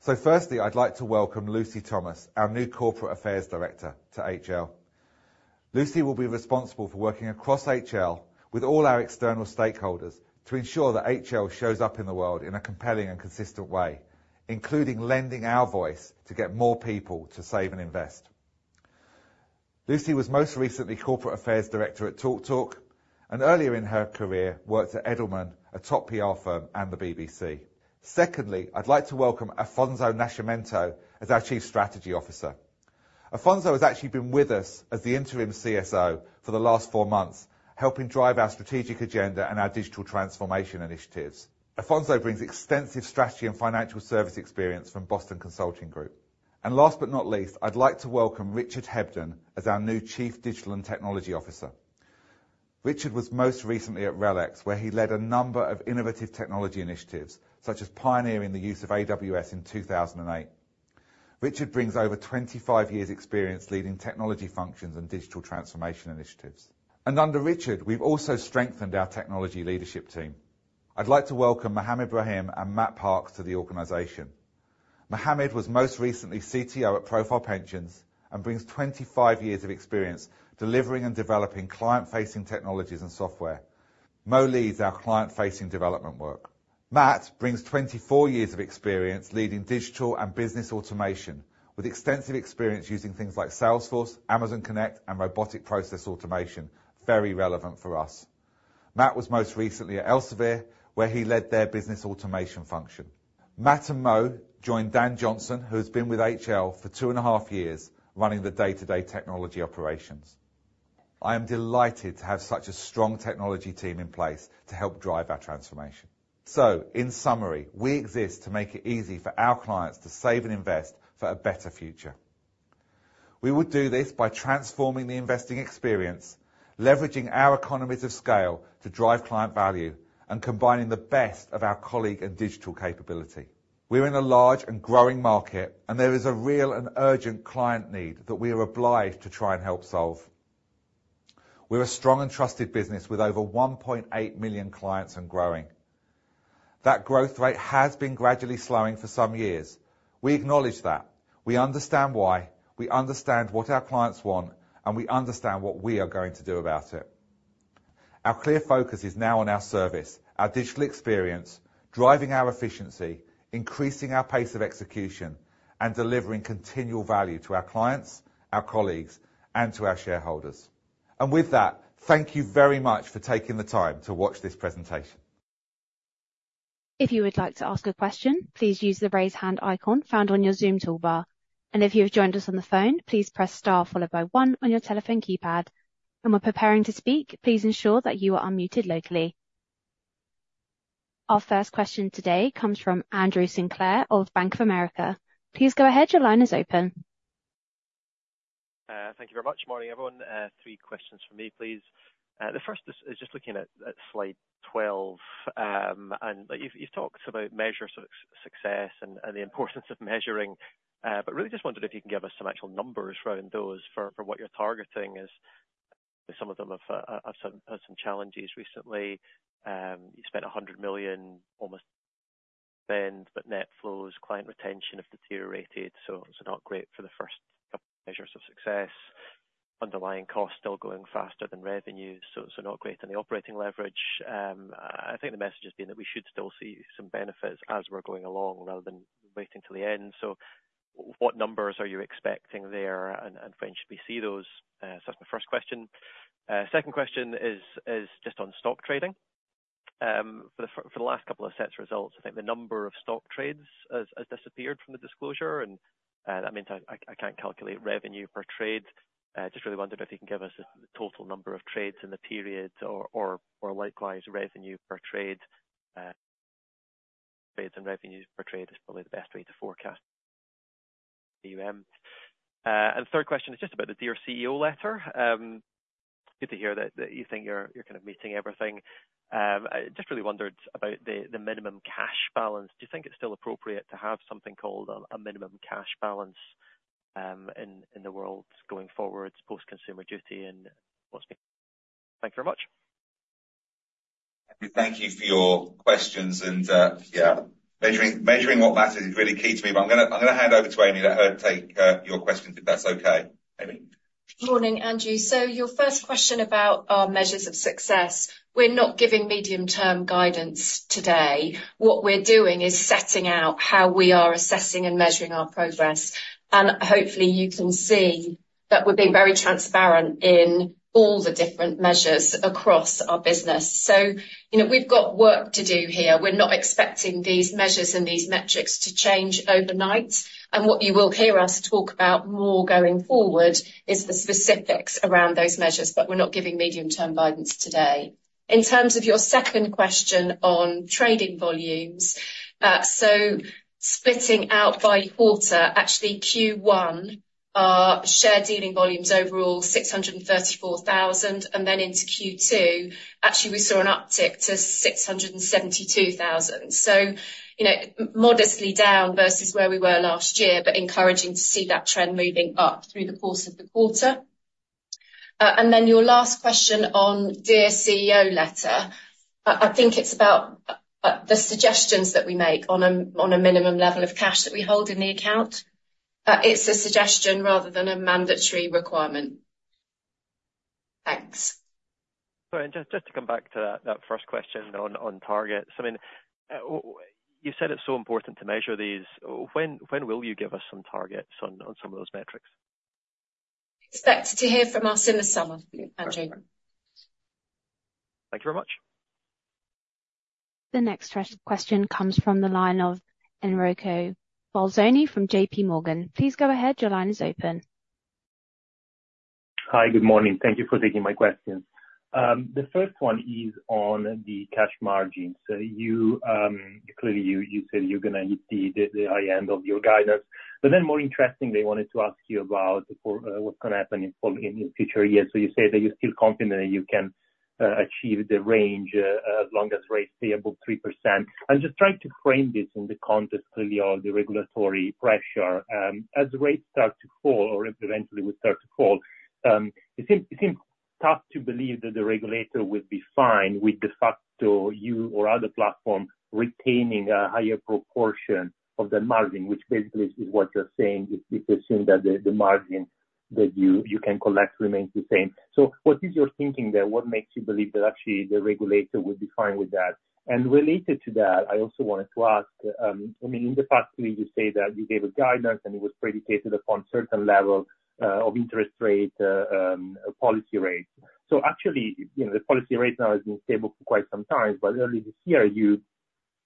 So firstly, I'd like to welcome Lucy Thomas, our new corporate affairs director, to HL. Lucy will be responsible for working across HL with all our external stakeholders to ensure that HL shows up in the world in a compelling and consistent way, including lending our voice to get more people to save and invest. Lucy was most recently corporate affairs director at TalkTalk, and earlier in her career worked at Edelman, a top PR firm, and the BBC. Secondly, I'd like to welcome Afonso Nascimento as our chief strategy officer. Afonso has actually been with us as the interim CSO for the last four months, helping drive our strategic agenda and our digital transformation initiatives. Afonso brings extensive strategy and financial service experience from Boston Consulting Group. And last but not least, I'd like to welcome Richard Hebdon as our new chief digital and technology officer. Richard was most recently at RELX, where he led a number of innovative technology initiatives such as pioneering the use of AWS in 2008. Richard brings over 25 years' experience leading technology functions and digital transformation initiatives. Under Richard, we've also strengthened our technology leadership team. I'd like to welcome Mohammed Rahim and Matt Parkes to the organization. Mohammed was most recently CTO at Profile Pensions and brings 25 years of experience delivering and developing client-facing technologies and software. Mo leads our client-facing development work. Matt brings 24 years of experience leading digital and business automation, with extensive experience using things like Salesforce, Amazon Connect, and robotic process automation, very relevant for us. Matt was most recently at Elsevier, where he led their business automation function. Matt and Mo join Dan Johnson, who has been with HL for two and a half years running the day-to-day technology operations. I am delighted to have such a strong technology team in place to help drive our transformation. So in summary, we exist to make it easy for our clients to save and invest for a better future. We would do this by transforming the investing experience, leveraging our economies of scale to drive client value, and combining the best of our colleague and digital capability. We're in a large and growing market, and there is a real and urgent client need that we are obliged to try and help solve. We're a strong and trusted business with over 1.8 million clients and growing. That growth rate has been gradually slowing for some years. We acknowledge that. We understand why. We understand what our clients want, and we understand what we are going to do about it. Our clear focus is now on our service, our digital experience, driving our efficiency, increasing our pace of execution, and delivering continual value to our clients, our colleagues, and to our shareholders. With that, thank you very much for taking the time to watch this presentation. If you would like to ask a question, please use the raise hand icon found on your Zoom toolbar. If you have joined us on the phone, please press star followed by 1 on your telephone keypad. When preparing to speak, please ensure that you are unmuted locally. Our first question today comes from Andrew Sinclair of Bank of America. Please go ahead, your line is open. Thank you very much. Morning, everyone. Three questions for me, please. The first is just looking at slide 12. And you've talked about measures of success and the importance of measuring, but really just wondered if you can give us some actual numbers around those for what you're targeting as some of them have had some challenges recently. You spent 100 million almost spent, but net flows, client retention have deteriorated, so not great for the first couple of measures of success. Underlying costs still going faster than revenue, so not great on the operating leverage. I think the message has been that we should still see some benefits as we're going along rather than waiting till the end. So what numbers are you expecting there, and when should we see those? So that's my first question. Second question is just on stock trading. For the last couple of sets of results, I think the number of stock trades has disappeared from the disclosure, and that means I can't calculate revenue per trade. Just really wondered if you can give us the total number of trades in the period or likewise revenue per trade. Trades and revenues per trade is probably the best way to forecast. And third question is just about the Dear CEO letter. Good to hear that you think you're kind of meeting everything. Just really wondered about the minimum cash balance. Do you think it's still appropriate to have something called a minimum cash balance in the world going forward post-Consumer Duty and what's been? Thank you very much. Thank you for your questions. Yeah, measuring what matters is really key to me. I'm going to hand over to Amy to take your questions, if that's okay, Amy? Good morning, Andrew. So your first question about our measures of success. We're not giving medium-term guidance today. What we're doing is setting out how we are assessing and measuring our progress. And hopefully, you can see that we're being very transparent in all the different measures across our business. So we've got work to do here. We're not expecting these measures and these metrics to change overnight. And what you will hear us talk about more going forward is the specifics around those measures, but we're not giving medium-term guidance today. In terms of your second question on trading volumes, so splitting out by quarter, actually, Q1, our share-dealing volumes overall, 634,000, and then into Q2, actually, we saw an uptick to 672,000. So modestly down versus where we were last year, but encouraging to see that trend moving up through the course of the quarter. Then your last question on Dear CEO letter, I think it's about the suggestions that we make on a minimum level of cash that we hold in the account. It's a suggestion rather than a mandatory requirement. Thanks. Sorry, and just to come back to that first question on targets. I mean, you said it's so important to measure these. When will you give us some targets on some of those metrics? Expect to hear from us in the summer, Andrew. Thank you very much. The next question comes from the line of Enrico Bolzoni from JPMorgan. Please go ahead, your line is open. Hi, good morning. Thank you for taking my question. The first one is on the cash margins. Clearly, you said you're going to hit the high end of your guidance. But then more interesting, they wanted to ask you about what's going to happen in future years. So you say that you're still confident that you can achieve the range as long as rates stay above 3%. I'm just trying to frame this in the context, clearly, of the regulatory pressure. As rates start to fall, or eventually would start to fall, it seems tough to believe that the regulator would be fine with de facto you or other platform retaining a higher proportion of the margin, which basically is what you're saying, if you assume that the margin that you can collect remains the same. So what is your thinking there? What makes you believe that actually the regulator would be fine with that? And related to that, I also wanted to ask, I mean, in the past, you say that you gave a guidance and it was predicated upon certain level of interest rate policy rates. So actually, the policy rate now has been stable for quite some time, but early this year, you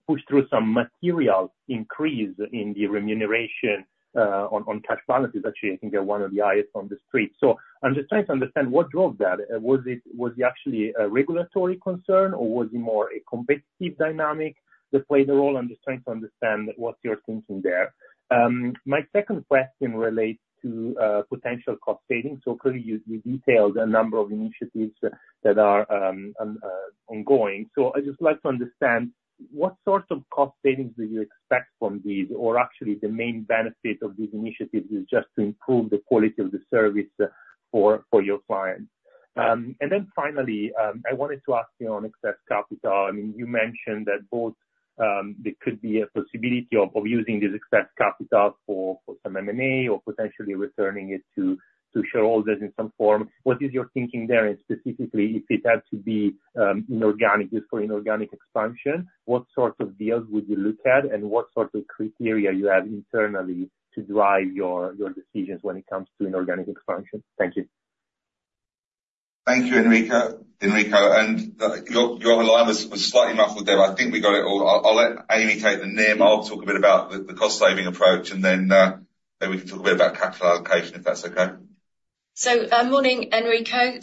pushed through some material increase in the remuneration on cash balances. Actually, I think they're one of the highest on the street. So I'm just trying to understand what drove that. Was it actually a regulatory concern, or was it more a competitive dynamic that played a role? I'm just trying to understand what you're thinking there. My second question relates to potential cost savings. So clearly, you detailed a number of initiatives that are ongoing. So I just like to understand what sort of cost savings do you expect from these, or actually the main benefit of these initiatives is just to improve the quality of the service for your clients. And then finally, I wanted to ask you on excess capital. I mean, you mentioned that both there could be a possibility of using this excess capital for some M&A or potentially returning it to shareholders in some form. What is your thinking there? And specifically, if it had to be inorganic, just for inorganic expansion, what sort of deals would you look at, and what sort of criteria you have internally to drive your decisions when it comes to inorganic expansion? Thank you. Thank you, Enrico. Your line was slightly muffled there, but I think we got it all. I'll let Amy take the NIM. I'll talk a bit about the cost-saving approach, and then we can talk a bit about capital allocation, if that's okay. Morning, Enrico.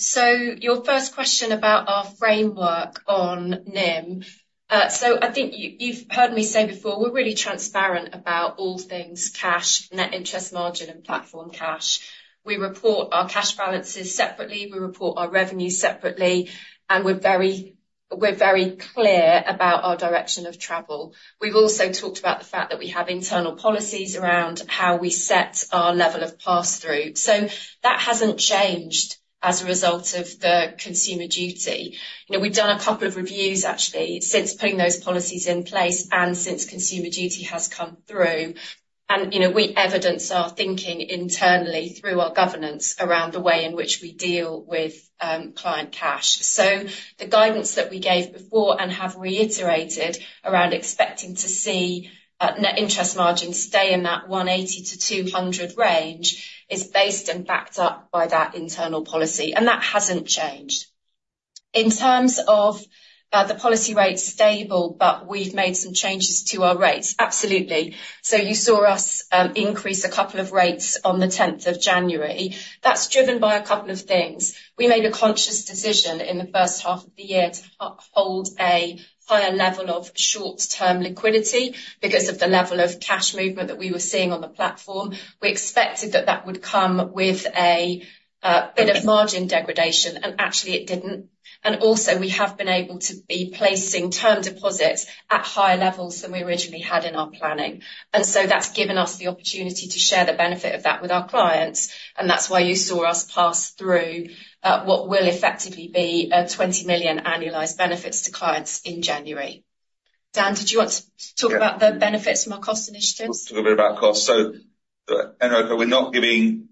Your first question about our framework on NIM. I think you've heard me say before, we're really transparent about all things cash, net interest margin, and platform cash. We report our cash balances separately. We report our revenues separately. We're very clear about our direction of travel. We've also talked about the fact that we have internal policies around how we set our level of pass-through. That hasn't changed as a result of the Consumer Duty. We've done a couple of reviews, actually, since putting those policies in place and since Consumer Duty has come through. We evidence our thinking internally through our governance around the way in which we deal with client cash. So the guidance that we gave before and have reiterated around expecting to see net interest margins stay in that 180-200 range is based and backed up by that internal policy. And that hasn't changed. In terms of the policy rates stable, but we've made some changes to our rates, absolutely. So you saw us increase a couple of rates on the 10th of January. That's driven by a couple of things. We made a conscious decision in the first half of the year to hold a higher level of short-term liquidity because of the level of cash movement that we were seeing on the platform. We expected that that would come with a bit of margin degradation, and actually, it didn't. And also, we have been able to be placing term deposits at higher levels than we originally had in our planning. That's given us the opportunity to share the benefit of that with our clients. That's why you saw us pass through what will effectively be 20 million annualized benefits to clients in January. Dan, did you want to talk about the benefits from our cost initiatives? Let's talk a bit about costs. So Enrico, we're not giving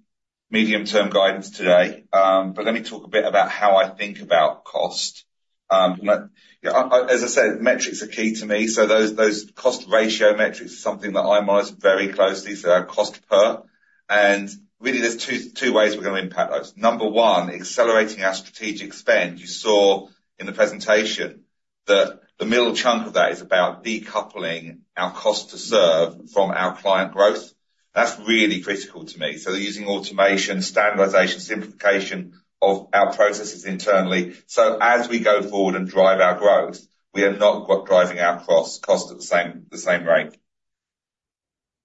medium-term guidance today. But let me talk a bit about how I think about cost. As I said, metrics are key to me. So those cost ratio metrics are something that I monitor very closely. So they're cost per. And really, there's two ways we're going to impact those. Number one, accelerating our strategic spend. You saw in the presentation that the middle chunk of that is about decoupling our cost to serve from our client growth. That's really critical to me. So using automation, standardization, simplification of our processes internally. So as we go forward and drive our growth, we are not driving our cost at the same rate.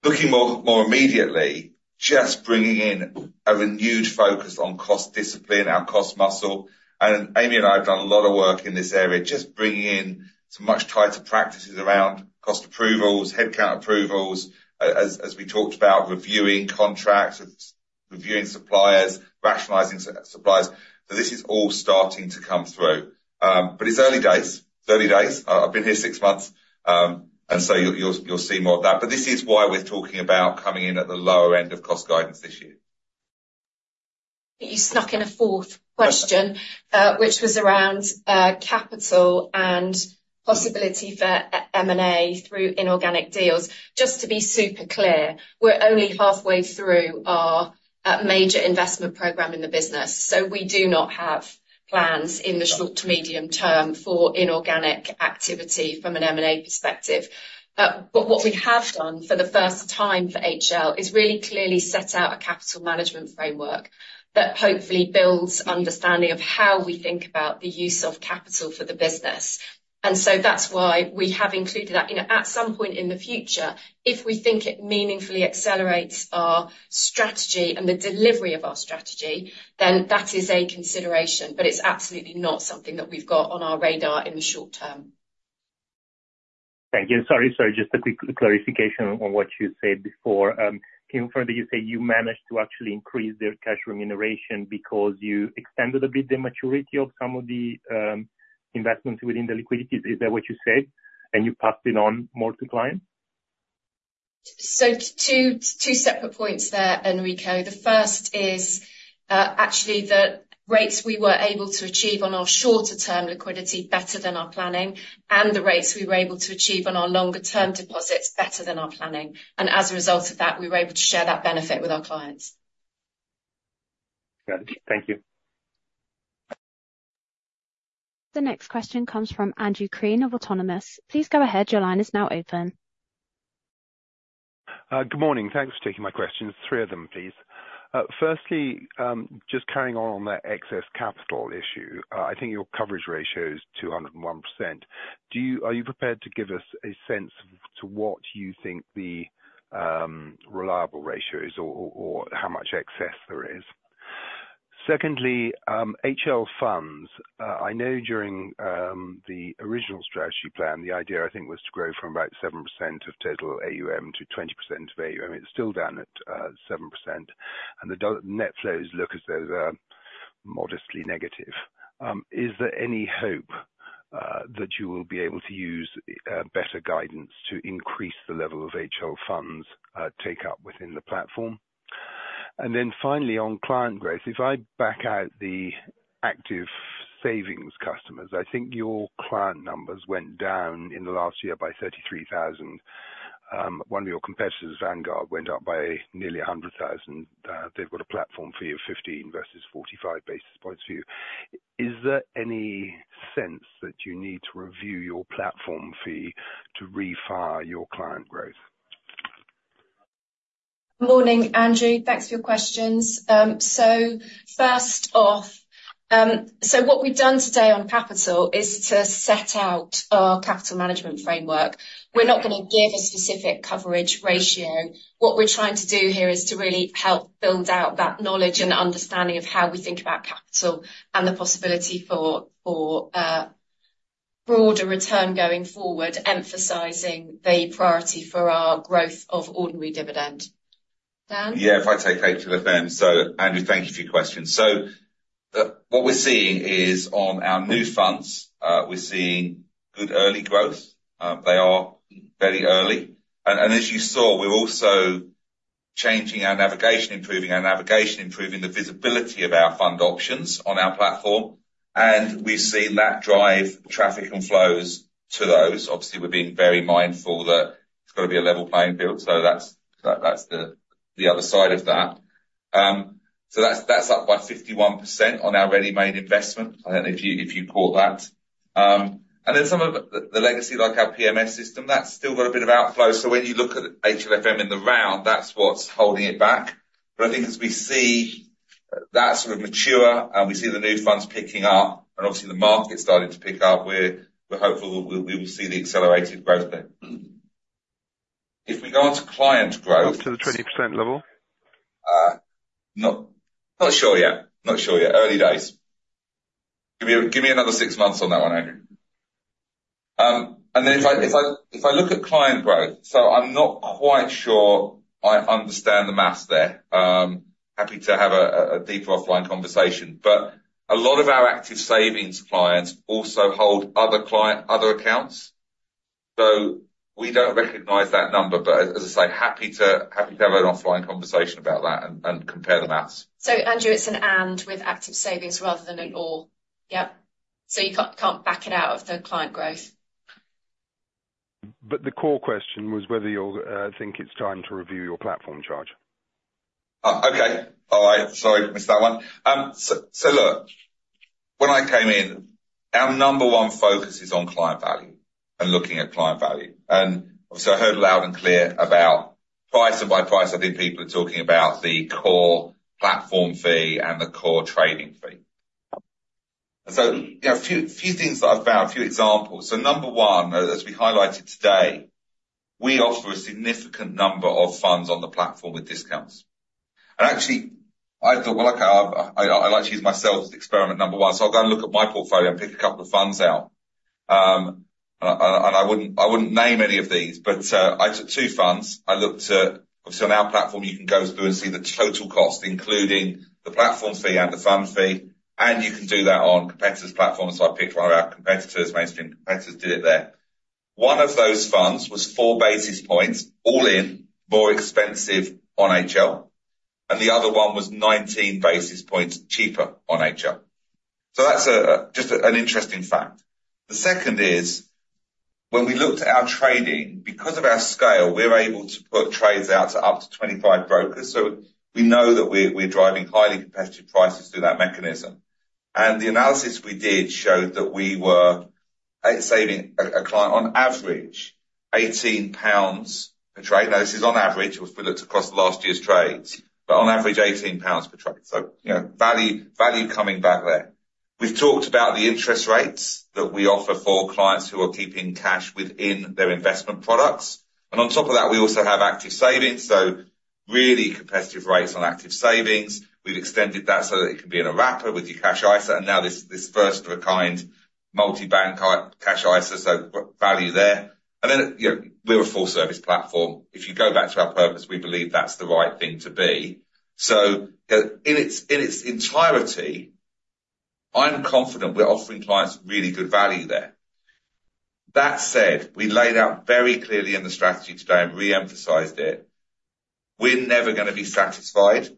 Looking more immediately, just bringing in a renewed focus on cost discipline, our cost muscle. Amy and I have done a lot of work in this area, just bringing in some much tighter practices around cost approvals, headcount approvals, as we talked about, reviewing contracts, reviewing suppliers, rationalizing supplies. So this is all starting to come through. But it's early days. It's early days. I've been here six months. And so you'll see more of that. But this is why we're talking about coming in at the lower end of cost guidance this year. You snuck in a fourth question, which was around capital and possibility for M&A through inorganic deals. Just to be super clear, we're only halfway through our major investment programme in the business. So we do not have plans in the short to medium term for inorganic activity from an M&A perspective. But what we have done for the first time for HL is really clearly set out a capital management framework that hopefully builds understanding of how we think about the use of capital for the business. And so that's why we have included that. At some point in the future, if we think it meaningfully accelerates our strategy and the delivery of our strategy, then that is a consideration. But it's absolutely not something that we've got on our radar in the short term. Thank you. And sorry, sorry, just a quick clarification on what you said before. Can you confirm that you say you managed to actually increase their cash remuneration because you extended a bit the maturity of some of the investments within the liquidities? Is that what you said? And you passed it on more to clients? So two separate points there, Enrico. The first is actually the rates we were able to achieve on our shorter-term liquidity better than our planning, and the rates we were able to achieve on our longer-term deposits better than our planning. And as a result of that, we were able to share that benefit with our clients. Got it. Thank you. The next question comes from Andrew Crean of Autonomous. Please go ahead, your line is now open. Good morning. Thanks for taking my questions. Three of them, please. Firstly, just carrying on on that excess capital issue, I think your coverage ratio is 201%. Are you prepared to give us a sense of what you think the reliable ratio is or how much excess there is? Secondly, HL Funds, I know during the original strategy plan, the idea, I think, was to grow from about 7% of total AUM to 20% of AUM. It's still down at 7%. And the net flows look as though they're modestly negative. Is there any hope that you will be able to use better guidance to increase the level of HL Funds take up within the platform? And then finally, on client growth, if I back out the Active Savings customers, I think your client numbers went down in the last year by 33,000. One of your competitors, Vanguard, went up by nearly 100,000. They've got a platform fee of 15 versus 45 basis points for you. Is there any sense that you need to review your platform fee to reignite your client growth? Morning, Andrew. Thanks for your questions. So first off, so what we've done today on capital is to set out our capital management framework. We're not going to give a specific coverage ratio. What we're trying to do here is to really help build out that knowledge and understanding of how we think about capital and the possibility for broader return going forward, emphasizing the priority for our growth of ordinary dividend. Dan? Yeah, if I take HLFM. So Andrew, thank you for your question. So what we're seeing is on our new funds, we're seeing good early growth. They are very early. And as you saw, we're also changing our navigation, improving our navigation, improving the visibility of our fund options on our platform. And we've seen that drive traffic and flows to those. Obviously, we're being very mindful that it's got to be a level playing field. So that's the other side of that. So that's up by 51% on our Ready-Made Investments. I don't know if you caught that. And then some of the legacy, like our PMS system, that's still got a bit of outflow. So when you look at HLFM in the round, that's what's holding it back. But I think as we see that sort of mature and we see the new funds picking up, and obviously, the market's starting to pick up, we're hopeful that we will see the accelerated growth there. If we go on to client growth. Up to the 20% level? Not sure yet. Not sure yet. Early days. Give me another six months on that one, Andrew. And then if I look at client growth, so I'm not quite sure I understand the math there. Happy to have a deeper offline conversation. But a lot of our Active Savings clients also hold other accounts. So we don't recognize that number. But as I say, happy to have an offline conversation about that and compare the math. Andrew, it's an and with Active Savings rather than an or. Yep. You can't back it out of the client growth. But the core question was whether you think it's time to review your platform charge. Okay. All right. Sorry to miss that one. Look, when I came in, our number one focus is on client value and looking at client value. And obviously, I heard loud and clear about price and by price, I think people are talking about the core platform fee and the core trading fee. And so a few things that I've found, a few examples. Number one, as we highlighted today, we offer a significant number of funds on the platform with discounts. And actually, I thought, "Well, okay, I like to use myself as experiment number one." So I'll go and look at my portfolio and pick a couple of funds out. And I wouldn't name any of these. But I took two funds. I looked at, obviously, on our platform, you can go through and see the total cost, including the platform fee and the fund fee. You can do that on competitors' platforms. I picked one of our competitors, mainstream competitors, did it there. One of those funds was 4 basis points all in, more expensive on HL. The other one was 19 basis points cheaper on HL. That's just an interesting fact. The second is when we looked at our trading, because of our scale, we're able to put trades out to up to 25 brokers. We know that we're driving highly competitive prices through that mechanism. The analysis we did showed that we were saving a client, on average, 18 pounds per trade. This is on average. Obviously, we looked across last year's trades. On average, 18 pounds per trade. Value coming back there. We've talked about the interest rates that we offer for clients who are keeping cash within their investment products. On top of that, we also have Active Savings. So really competitive rates on Active Savings. We've extended that so that it can be in a wrapper with your Cash ISA. And now this first-of-its-kind Multi-Bank Cash ISA, so value there. And then we're a full-service platform. If you go back to our purpose, we believe that's the right thing to be. So in its entirety, I'm confident we're offering clients really good value there. That said, we laid out very clearly in the strategy today and re-emphasized it. We're never going to be satisfied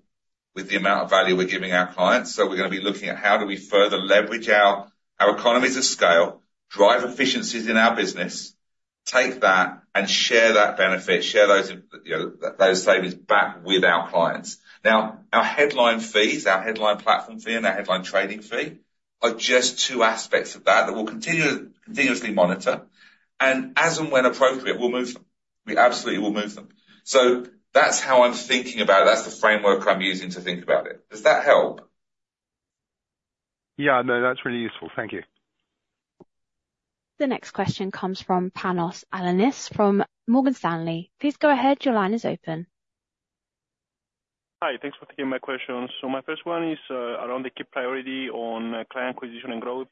with the amount of value we're giving our clients. So we're going to be looking at how do we further leverage our economies of scale, drive efficiencies in our business, take that, and share that benefit, share those savings back with our clients. Now, our headline fees, our headline platform fee, and our headline trading fee are just two aspects of that that we'll continuously monitor. And as and when appropriate, we'll move them. We absolutely will move them. So that's how I'm thinking about it. That's the framework I'm using to think about it. Does that help? Yeah, no, that's really useful. Thank you. The next question comes from Panos Ellinas from Morgan Stanley. Please go ahead, your line is open. Hi. Thanks for taking my questions. So my first one is around the key priority on client acquisition and growth.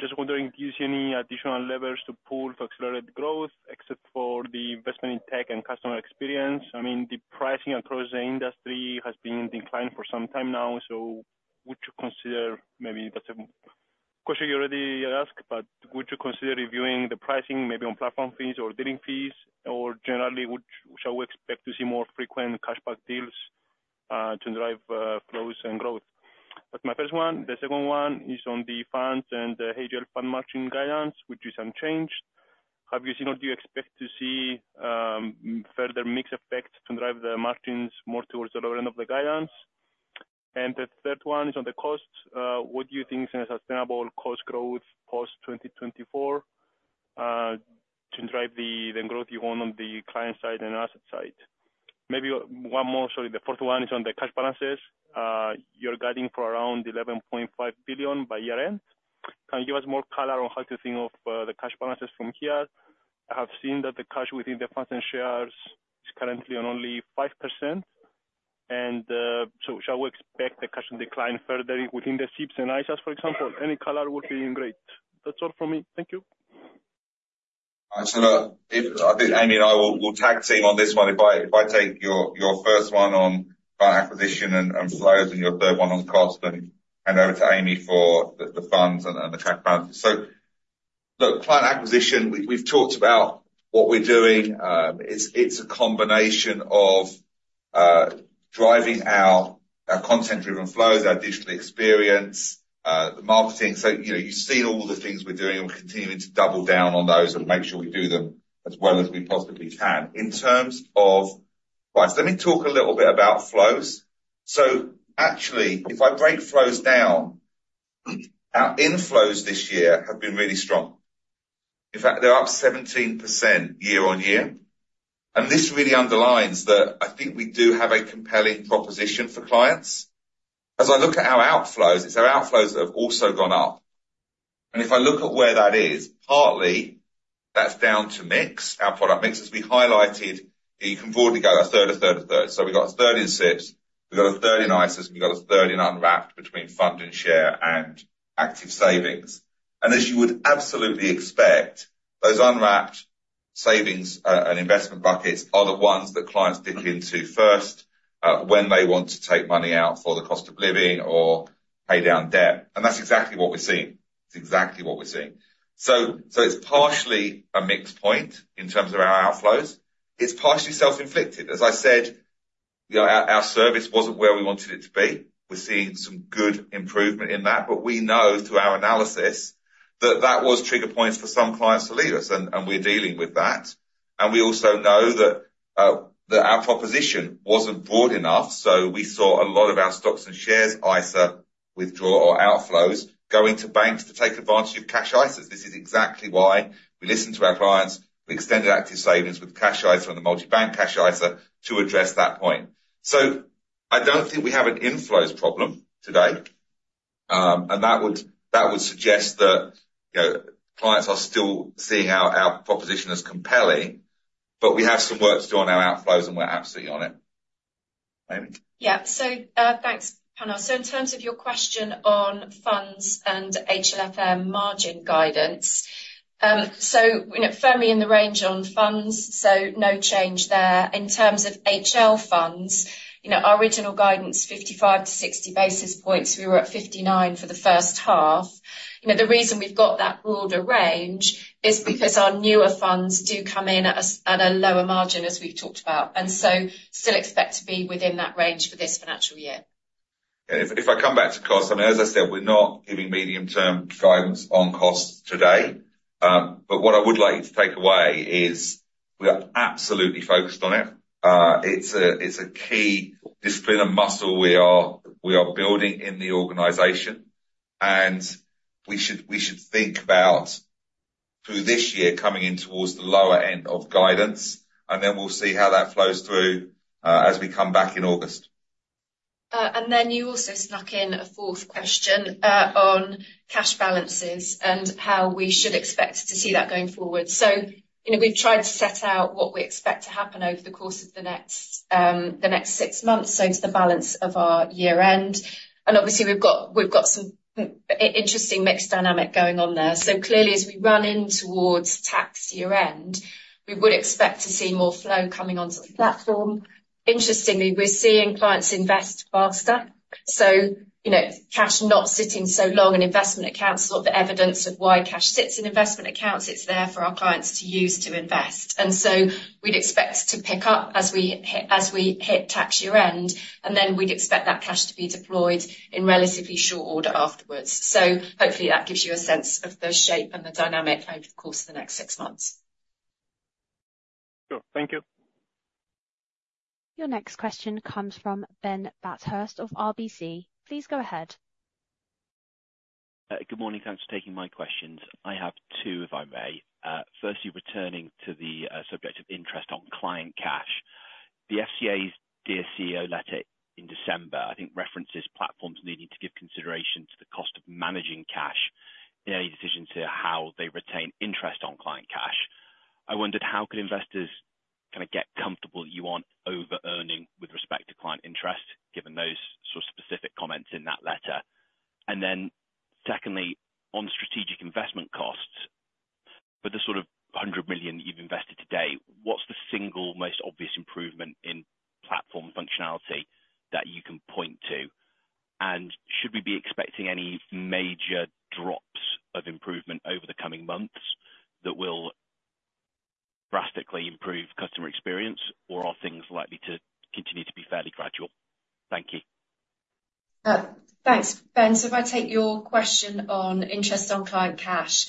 Just wondering, do you see any additional levers to pull to accelerate growth except for the investment in tech and customer experience? I mean, the pricing across the industry has been in decline for some time now. So would you consider maybe that's a question you already asked, but would you consider reviewing the pricing, maybe on platform fees or dealing fees? Or generally, shall we expect to see more frequent cashback deals to drive flows and growth? But my first one, the second one is on the funds and the HL fund margin guidance, which is unchanged. Have you seen or do you expect to see further mixed effects to drive the margins more towards the lower end of the guidance? And the third one is on the cost. What do you think is a sustainable cost growth post-2024 to drive the growth you want on the client side and asset side? Maybe one more. Sorry, the fourth one is on the cash balances. You're guiding for around 11.5 billion by year-end. Can you give us more color on how to think of the cash balances from here? I have seen that the cash within the funds and shares is currently on only 5%. So shall we expect the cash to decline further within the SIPPs and ISAs, for example? Any color would be great. That's all from me. Thank you. I think Amy and I will tag team on this one. If I take your first one on client acquisition and flows and your third one on cost, then hand over to Amy for the funds and the cash balances. So look, client acquisition, we've talked about what we're doing. It's a combination of driving our content-driven flows, our digital experience, the marketing. So you've seen all the things we're doing. We're continuing to double down on those and make sure we do them as well as we possibly can. In terms of price, let me talk a little bit about flows. So actually, if I break flows down, our inflows this year have been really strong. In fact, they're up 17% year-over-year. And this really underlines that I think we do have a compelling proposition for clients. As I look at our outflows, it's our outflows that have also gone up. And if I look at where that is, partly, that's down to mix, our product mix. As we highlighted, you can broadly go a third, a third, a third. So we've got a third in SIPPs. We've got a third in ISAs. We've got a third in unwrapped between Fund and Share and Active Savings. And as you would absolutely expect, those unwrapped savings and investment buckets are the ones that clients dip into first when they want to take money out for the cost of living or pay down debt. And that's exactly what we're seeing. It's exactly what we're seeing. So it's partially a mixed point in terms of our outflows. It's partially self-inflicted. As I said, our service wasn't where we wanted it to be. We're seeing some good improvement in that. We know through our analysis that that was trigger points for some clients to leave us. We're dealing with that. We also know that our proposition wasn't broad enough. So we saw a lot of our Stocks and Shares ISA withdrawal or outflows going to banks to take advantage of Cash ISAs. This is exactly why we listen to our clients. We extended Active Savings with Cash ISA and the Multi-Bank Cash ISA to address that point. So I don't think we have an inflows problem today. That would suggest that clients are still seeing our proposition as compelling. We have some work to do on our outflows, and we're absolutely on it. Amy? Yeah. So thanks, Panos. So in terms of your question on funds and HLFM margin guidance, so firmly in the range on funds, so no change there. In terms of HL funds, our original guidance, 55-60 basis points, we were at 59 for the first half. The reason we've got that broader range is because our newer funds do come in at a lower margin, as we've talked about, and so still expect to be within that range for this financial year. If I come back to cost, I mean, as I said, we're not giving medium-term guidance on costs today. But what I would like you to take away is we are absolutely focused on it. It's a key discipline and muscle we are building in the organization. And we should think about through this year coming in towards the lower end of guidance. And then we'll see how that flows through as we come back in August. And then you also snuck in a fourth question on cash balances and how we should expect to see that going forward. So we've tried to set out what we expect to happen over the course of the next six months, so to the balance of our year-end. And obviously, we've got some interesting mixed dynamic going on there. So clearly, as we run in towards tax year-end, we would expect to see more flow coming onto the platform. Interestingly, we're seeing clients invest faster. So cash not sitting so long in investment accounts is not the evidence of why cash sits in investment accounts. It's there for our clients to use to invest. And so we'd expect to pick up as we hit tax year-end. And then we'd expect that cash to be deployed in relatively short order afterwards. Hopefully, that gives you a sense of the shape and the dynamic over the course of the next six months. Sure. Thank you. Your next question comes from Ben Bathurst of RBC. Please go ahead. Good morning. Thanks for taking my questions. I have two, if I may. Firstly, returning to the subject of interest on client cash. The FCA's Dear CEO letter in December, I think, references platforms needing to give consideration to the cost of managing cash in any decision to how they retain interest on client cash. I wondered how could investors kind of get comfortable that you aren't over-earning with respect to client interest, given those sort of specific comments in that letter? And then secondly, on strategic investment costs, for the sort of 100 million that you've invested today, what's the single most obvious improvement in platform functionality that you can point to? And should we be expecting any major drops of improvement over the coming months that will drastically improve customer experience, or are things likely to continue to be fairly gradual? Thank you. Thanks, Ben. So if I take your question on interest on client cash,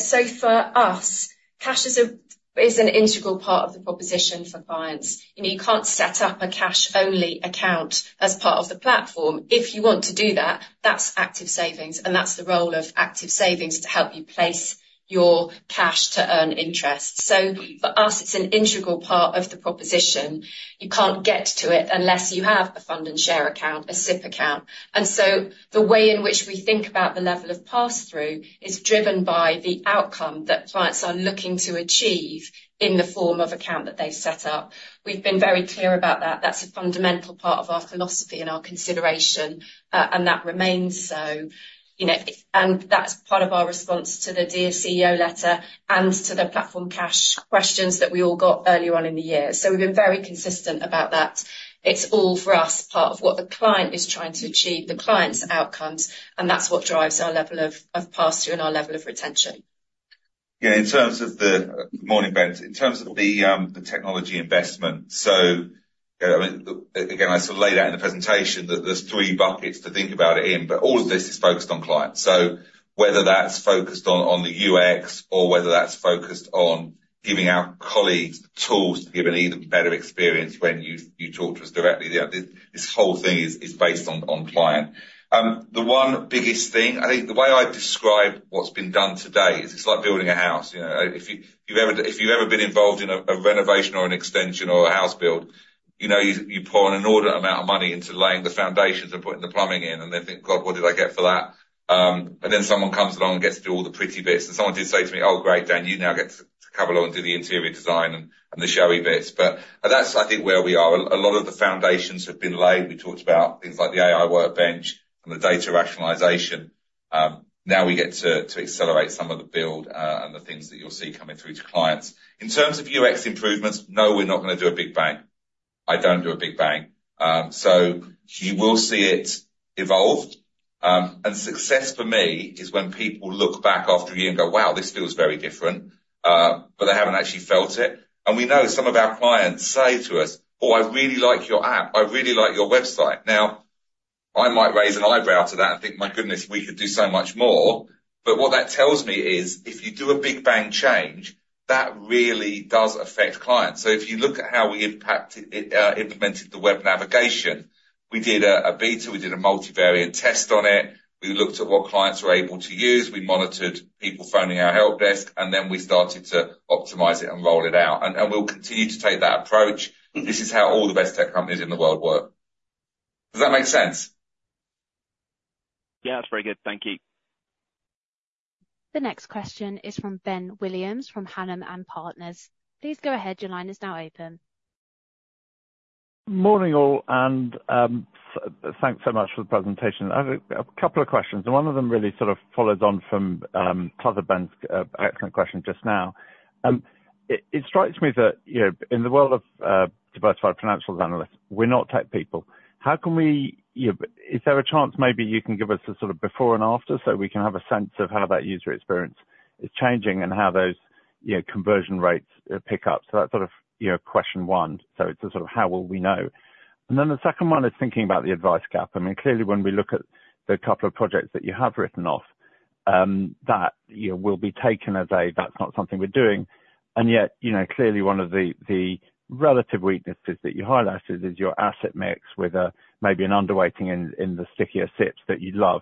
so for us, cash is an integral part of the proposition for clients. You can't set up a cash-only account as part of the platform. If you want to do that, that's Active Savings. And that's the role of Active Savings to help you place your cash to earn interest. So for us, it's an integral part of the proposition. You can't get to it unless you have a Fund and Share Account, a SIPP account. And so the way in which we think about the level of pass-through is driven by the outcome that clients are looking to achieve in the form of account that they've set up. We've been very clear about that. That's a fundamental part of our philosophy and our consideration. And that remains so. That's part of our response to the Dear CEO letter and to the platform cash questions that we all got earlier on in the year. We've been very consistent about that. It's all for us part of what the client is trying to achieve, the client's outcomes. That's what drives our level of pass-through and our level of retention. Yeah. Good morning, Ben. In terms of the technology investment, so again, I sort of laid out in the presentation that there's three buckets to think about it in. But all of this is focused on clients. So whether that's focused on the UX or whether that's focused on giving our colleagues the tools to give an even better experience when you talk to us directly, this whole thing is based on client. The one biggest thing, I think the way I describe what's been done today is it's like building a house. If you've ever been involved in a renovation or an extension or a house build, you pour an inordinate amount of money into laying the foundations and putting the plumbing in, and then think, "God, what did I get for that?" And then someone comes along and gets to do all the pretty bits. Someone did say to me, "Oh, great, Dan. You now get to cover along and do the interior design and the showy bits." But that's, I think, where we are. A lot of the foundations have been laid. We talked about things like the AI workbench and the data rationalization. Now we get to accelerate some of the build and the things that you'll see coming through to clients. In terms of UX improvements, no, we're not going to do a big bang. I don't do a big bang. So you will see it evolve. And success for me is when people look back after a year and go, "Wow, this feels very different," but they haven't actually felt it. And we know some of our clients say to us, "Oh, I really like your app. I really like your website." Now, I might raise an eyebrow to that and think, "My goodness, we could do so much more." But what that tells me is if you do a big bang change, that really does affect clients. So if you look at how we implemented the web navigation, we did a beta. We did a multivariate test on it. We looked at what clients were able to use. We monitored people phoning our helpdesk. And then we started to optimize it and roll it out. And we'll continue to take that approach. This is how all the best tech companies in the world work. Does that make sense? Yeah, that's very good. Thank you. The next question is from Ben Williams from Hannam & Partners. Please go ahead, your line is now open. Morning, all. Thanks so much for the presentation. I have a couple of questions. One of them really sort of follows on from Panos and Ben's excellent question just now. It strikes me that in the world of diversified financials analysts, we're not tech people. How can we is there a chance maybe you can give us a sort of before and after so we can have a sense of how that user experience is changing and how those conversion rates pick up? So that's sort of question one. So it's sort of how will we know? And then the second one is thinking about the advice gap. I mean, clearly, when we look at the couple of projects that you have written off, that will be taken as a, "That's not something we're doing." And yet, clearly, one of the relative weaknesses that you highlighted is your asset mix with maybe an underweighting in the stickier SIPPs that you love.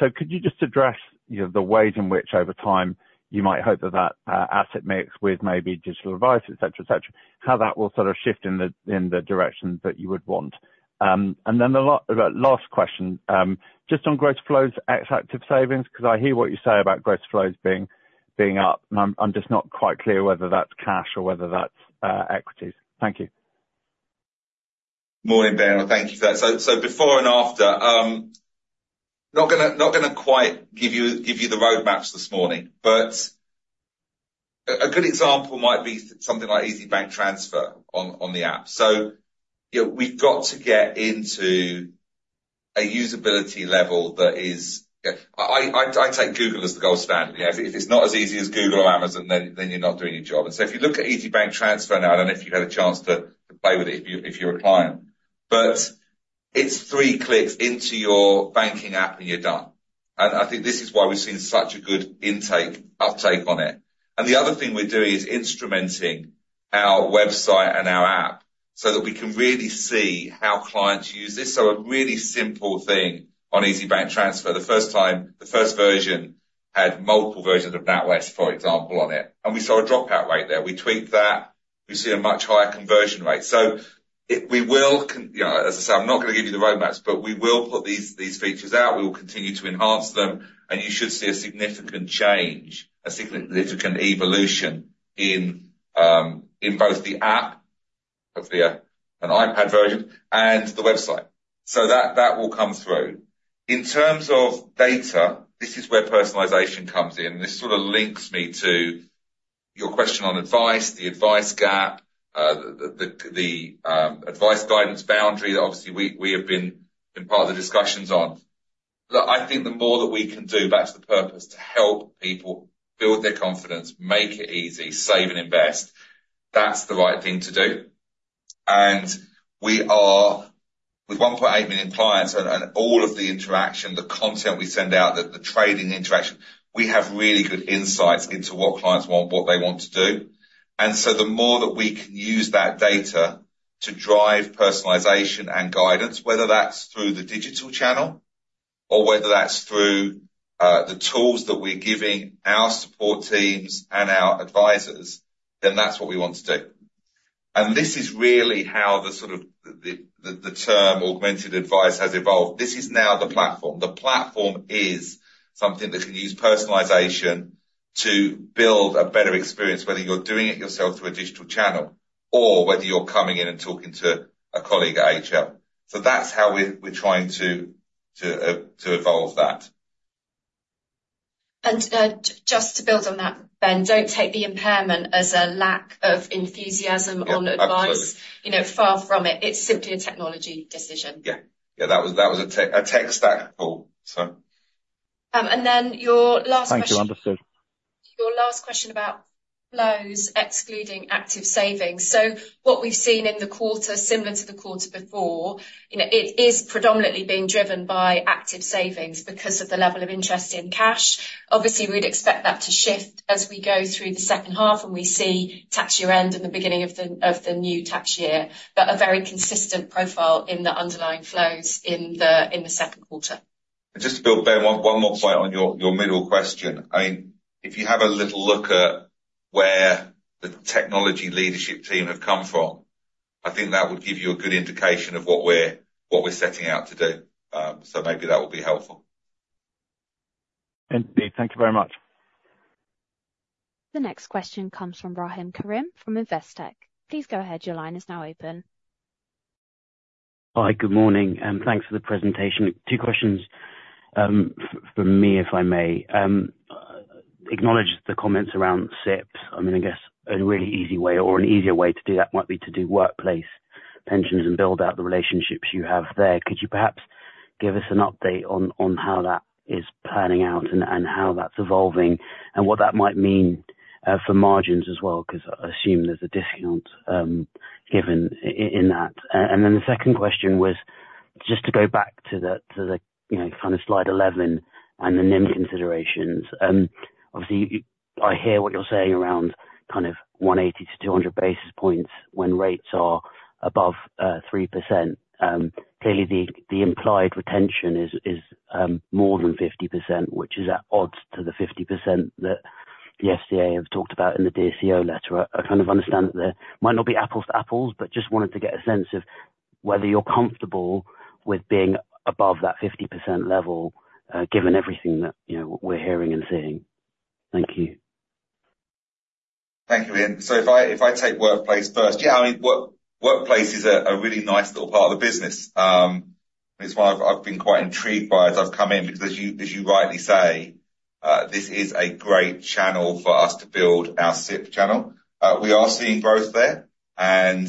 So could you just address the ways in which, over time, you might hope that that asset mix with maybe digital advice, etc., etc., how that will sort of shift in the direction that you would want? And then the last question, just on gross flows, ex-Active Savings, because I hear what you say about gross flows being up. And I'm just not quite clear whether that's cash or whether that's equities. Thank you. Morning, Ben. Well, thank you for that. So before and after, not going to quite give you the roadmaps this morning. But a good example might be something like Easy Bank Transfer on the app. So we've got to get into a usability level that is, I take Google as the gold standard. If it's not as easy as Google or Amazon, then you're not doing your job. And so if you look at Easy Bank Transfer now, I don't know if you've had a chance to play with it if you're a client. But it's three clicks into your banking app, and you're done. And I think this is why we've seen such a good uptake on it. And the other thing we're doing is instrumenting our website and our app so that we can really see how clients use this. So a really simple thing on Easy Bank Transfer, the first version, had multiple versions of NatWest, for example, on it. And we saw a dropout rate there. We tweaked that. We see a much higher conversion rate. So we will, as I said, I'm not going to give you the roadmaps, but we will put these features out. We will continue to enhance them. And you should see a significant change, a significant evolution in both the app and the iPad version and the website. So that will come through. In terms of data, this is where personalization comes in. And this sort of links me to your question on advice, the advice gap, the Advice Guidance Boundary that obviously we have been part of the discussions on. Look, I think the more that we can do, back to the purpose, to help people build their confidence, make it easy, save, and invest, that's the right thing to do. And with 1.8 million clients and all of the interaction, the content we send out, the trading interaction, we have really good insights into what clients want, what they want to do. And so the more that we can use that data to drive personalization and guidance, whether that's through the digital channel or whether that's through the tools that we're giving our support teams and our advisors, then that's what we want to do. And this is really how the sort of the term augmented advice has evolved. This is now the platform. The platform is something that can use personalization to build a better experience, whether you're doing it yourself through a digital channel or whether you're coming in and talking to a colleague at HL. So that's how we're trying to evolve that. Just to build on that, Ben, don't take the impairment as a lack of enthusiasm on advice. Far from it. It's simply a technology decision. Yeah. Yeah. That was a tech stack call, so. And then your last question. Thank you. Understood. Your last question about flows excluding Active Savings. So what we've seen in the quarter, similar to the quarter before, it is predominantly being driven by Active Savings because of the level of interest in cash. Obviously, we'd expect that to shift as we go through the second half and we see tax year-end and the beginning of the new tax year, but a very consistent profile in the underlying flows in the second quarter. Just to build, Ben, one more point on your middle question. I mean, if you have a little look at where the technology leadership team have come from, I think that would give you a good indication of what we're setting out to do. So maybe that will be helpful. Andy, thank you very much. The next question comes from Rahim Karim from Investec. Please go ahead, your line is now open. Hi. Good morning. Thanks for the presentation. Two questions from me, if I may. Acknowledge the comments around SIPP. I mean, I guess a really easy way or an easier way to do that might be to do workplace pensions and build out the relationships you have there. Could you perhaps give us an update on how that is planning out and how that's evolving and what that might mean for margins as well? Because I assume there's a discount given in that. And then the second question was just to go back to the kind of slide 11 and the NIM considerations. Obviously, I hear what you're saying around kind of 180-200 basis points when rates are above 3%. Clearly, the implied retention is more than 50%, which is at odds to the 50% that the FCA have talked about in the Dear CEO letter. I kind of understand that there might not be apples to apples, but just wanted to get a sense of whether you're comfortable with being above that 50% level given everything that we're hearing and seeing. Thank you. Thank you, Rahim. So if I take workplace first, yeah, I mean, workplace is a really nice little part of the business. It's one I've been quite intrigued by as I've come in because, as you rightly say, this is a great channel for us to build our SIPP channel. We are seeing growth there. And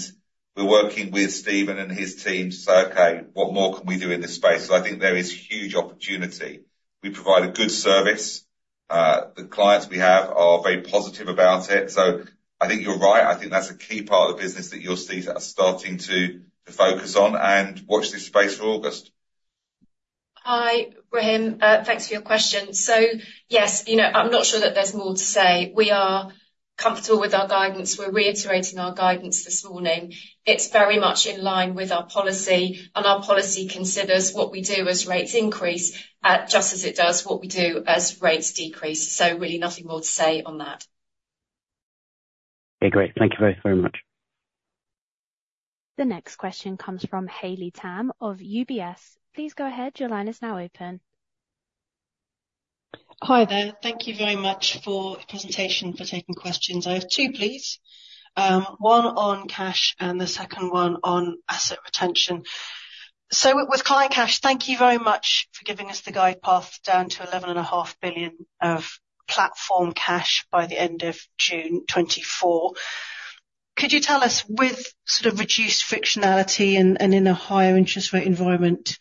we're working with Stephen and his team to say, "Okay, what more can we do in this space?" So I think there is huge opportunity. We provide a good service. The clients we have are very positive about it. So I think you're right. I think that's a key part of the business that *audio distortion* are starting to focus on. And watch this space for August. Hi, Rahim. Thanks for your question. So yes, I'm not sure that there's more to say. We are comfortable with our guidance. We're reiterating our guidance this morning. It's very much in line with our policy. And our policy considers what we do as rates increase just as it does what we do as rates decrease. So really nothing more to say on that. Okay. Great. Thank you very, very much. The next question comes from Hayley Tam of UBS. Please go ahead, your line is now open. Hi there. Thank you very much for the presentation, for taking questions. I have two, please. One on cash and the second one on asset retention. So with client cash, thank you very much for giving us the guidance down to 11.5 billion of platform cash by the end of June 2024. Could you tell us, with sort of reduced friction and in a higher interest rate environment,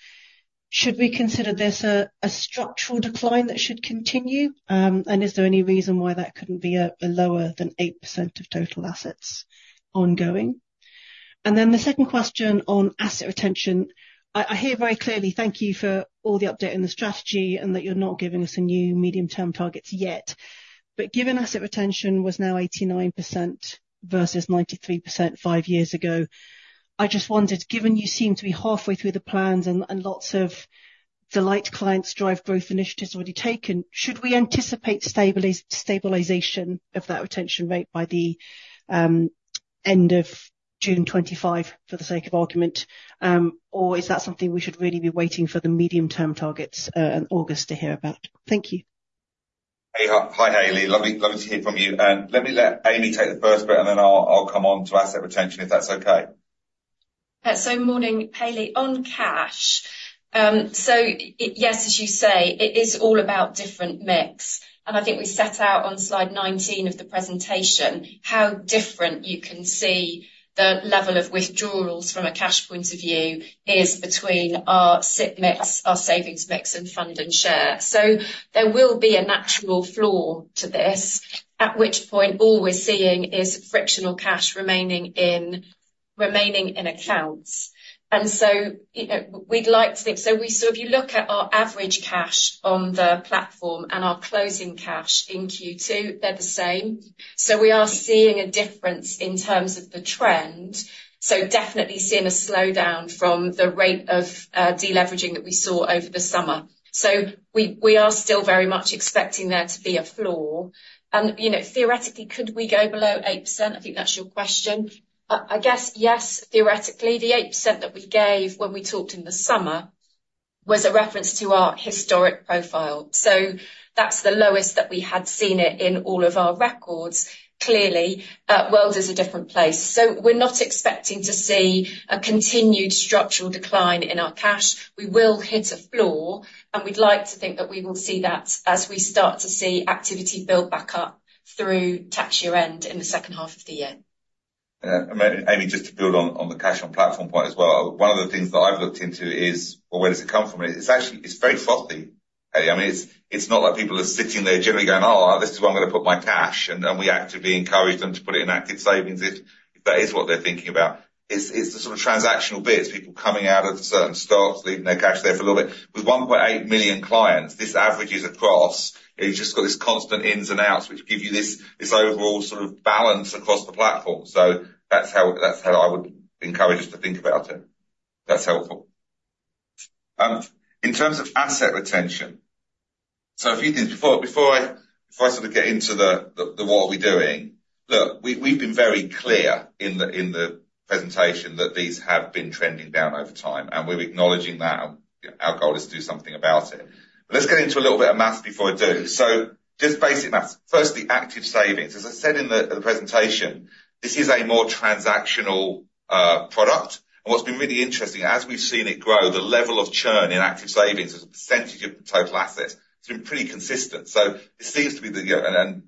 should we consider this a structural decline that should continue? And is there any reason why that couldn't be lower than 8% of total assets ongoing? And then the second question on asset retention. I hear very clearly, thank you for all the update on the strategy and that you're not giving us any new medium-term targets yet. Given asset retention was now 89% versus 93% five years ago, I just wondered, given you seem to be halfway through the plans and lots of delight clients drive growth initiatives already taken, should we anticipate stabilization of that retention rate by the end of June 2025, for the sake of argument? Or is that something we should really be waiting for the medium-term targets in August to hear about? Thank you. Hi, Hayley. Lovely to hear from you. Let me let Amy take the first bit, and then I'll come on to asset retention, if that's okay. Morning, Hayley. On cash, yes, as you say, it is all about different mix. I think we set out on slide 19 of the presentation how different you can see the level of withdrawals from a cash point of view is between our SIPP mix, our savings mix, and Fund and Share. There will be a natural floor to this, at which point all we're seeing is frictional cash remaining in accounts. We'd like to think so if you look at our average cash on the platform and our closing cash in Q2, they're the same. We are seeing a difference in terms of the trend. Definitely seeing a slowdown from the rate of deleveraging that we saw over the summer. We are still very much expecting there to be a floor. And theoretically, could we go below 8%? I think that's your question. I guess, yes, theoretically, the 8% that we gave when we talked in the summer was a reference to our historic profile. So that's the lowest that we had seen it in all of our records, clearly. World is a different place. So we're not expecting to see a continued structural decline in our cash. We will hit a floor. And we'd like to think that we will see that as we start to see activity build back up through tax year-end in the second half of the year. Amy, just to build on the cash on platform point as well, one of the things that I've looked into is, well, where does it come from? It's very frothy, Hayley. I mean, it's not like people are sitting there generally going, "Oh, this is where I'm going to put my cash." And we actively encourage them to put it in Active Savings if that is what they're thinking about. It's the sort of transactional bit. It's people coming out of certain stocks, leaving their cash there for a little bit. With 1.8 million clients, this averages across. You've just got this constant ins and outs, which give you this overall sort of balance across the platform. So that's how I would encourage us to think about it. That's helpful. In terms of asset retention, so a few things. Before I sort of get into the, "What are we doing?" Look, we've been very clear in the presentation that these have been trending down over time. We're acknowledging that. Our goal is to do something about it. But let's get into a little bit of math before I do. So just basic math. First, the Active Savings. As I said in the presentation, this is a more transactional product. What's been really interesting, as we've seen it grow, the level of churn in Active Savings as a percentage of the total assets. It's been pretty consistent. So this seems to be the,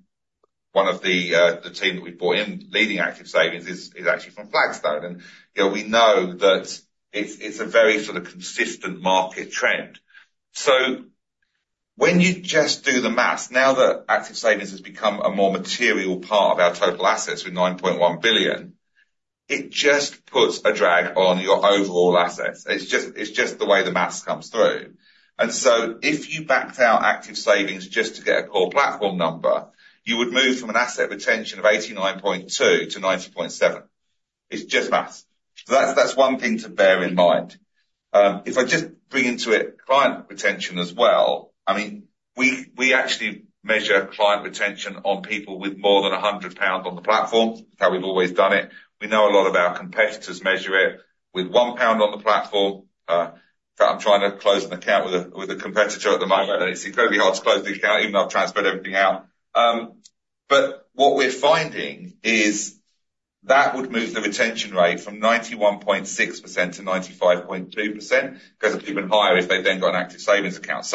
and one of the team that we've brought in leading Active Savings is actually from Flagstone. We know that it's a very sort of consistent market trend. When you just do the math, now that Active Savings has become a more material part of our total assets with 9.1 billion, it just puts a drag on your overall assets. It's just the way the math comes through. So if you backed out Active Savings just to get a core platform number, you would move from an asset retention of 89.2-90.7. It's just math. That's one thing to bear in mind. If I just bring into it client retention as well, I mean, we actually measure client retention on people with more than 100 pounds on the platform, how we've always done it. We know a lot of our competitors measure it with 1 pound on the platform. In fact, I'm trying to close an account with a competitor at the moment. It's incredibly hard to close the account, even though I've transferred everything out. What we're finding is that would move the retention rate from 91.6% to 95.2% because it would be even higher if they'd then got an Active Savings account.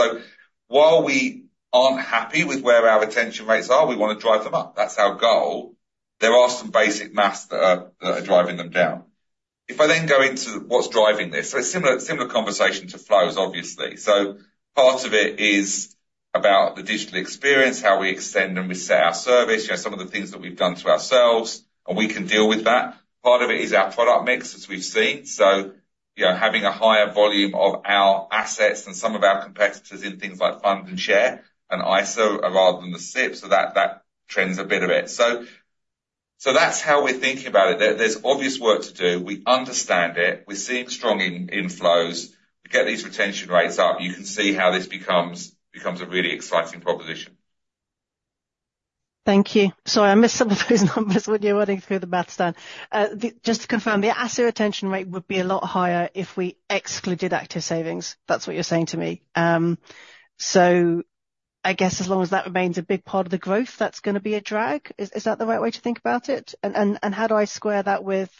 While we aren't happy with where our retention rates are, we want to drive them up. That's our goal. There are some basic math that are driving them down. If I then go into what's driving this so it's a similar conversation to flows, obviously. Part of it is about the digital experience, how we extend and reset our service, some of the things that we've done to ourselves, and we can deal with that. Part of it is our product mix, as we've seen. So, having a higher volume of our assets than some of our competitors in things like Fund and Share and ISA rather than the SIPP, so that trends a bit of it. So that's how we're thinking about it. There's obvious work to do. We understand it. We're seeing strong inflows. We get these retention rates up. You can see how this becomes a really exciting proposition. Thank you. Sorry, I missed some of those numbers when you were running through the math then. Just to confirm, the asset retention rate would be a lot higher if we excluded Active Savings. That's what you're saying to me. So I guess as long as that remains a big part of the growth, that's going to be a drag. Is that the right way to think about it? And how do I square that with,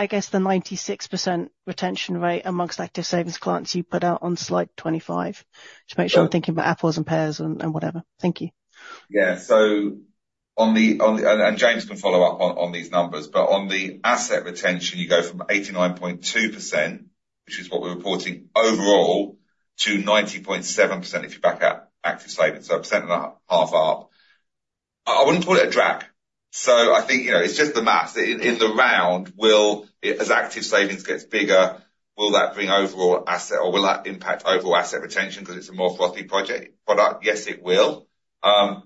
I guess, the 96% retention rate amongst Active Savings clients you put out on slide 25? Just to make sure I'm thinking about apples and pears and whatever. Thank you. Yeah. And James can follow up on these numbers. But on the asset retention, you go from 89.2%, which is what we're reporting overall, to 90.7% if you back out Active Savings. So 1.5% up. I wouldn't call it a drag. So I think it's just the math. In the round, as Active Savings gets bigger, will that bring overall asset or will that impact overall asset retention because it's a more frothy product? Yes, it will. But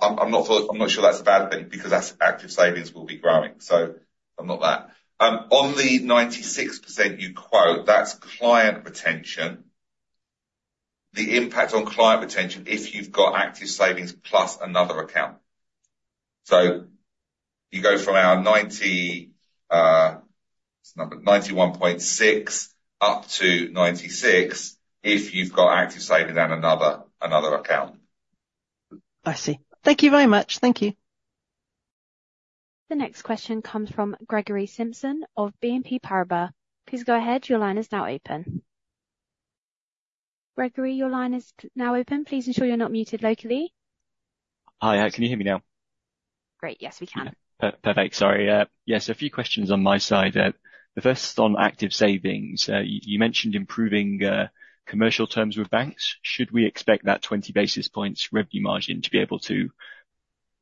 I'm not sure that's a bad thing because Active Savings will be growing. So I'm not that. On the 96% you quote, that's client retention, the impact on client retention if you've got Active Savings plus another account. So you go from our 91.6% up to 96% if you've got Active Savings and another account. I see. Thank you very much. Thank you. The next question comes from Gregory Simpson of BNP Paribas. Please go ahead. Your line is now open. Gregory, your line is now open. Please ensure you're not muted locally. Hi. Can you hear me now? Great. Yes, we can. Perfect. Sorry. Yeah. So a few questions on my side. The first on Active Savings. You mentioned improving commercial terms with banks. Should we expect that 20 basis points revenue margin to be able to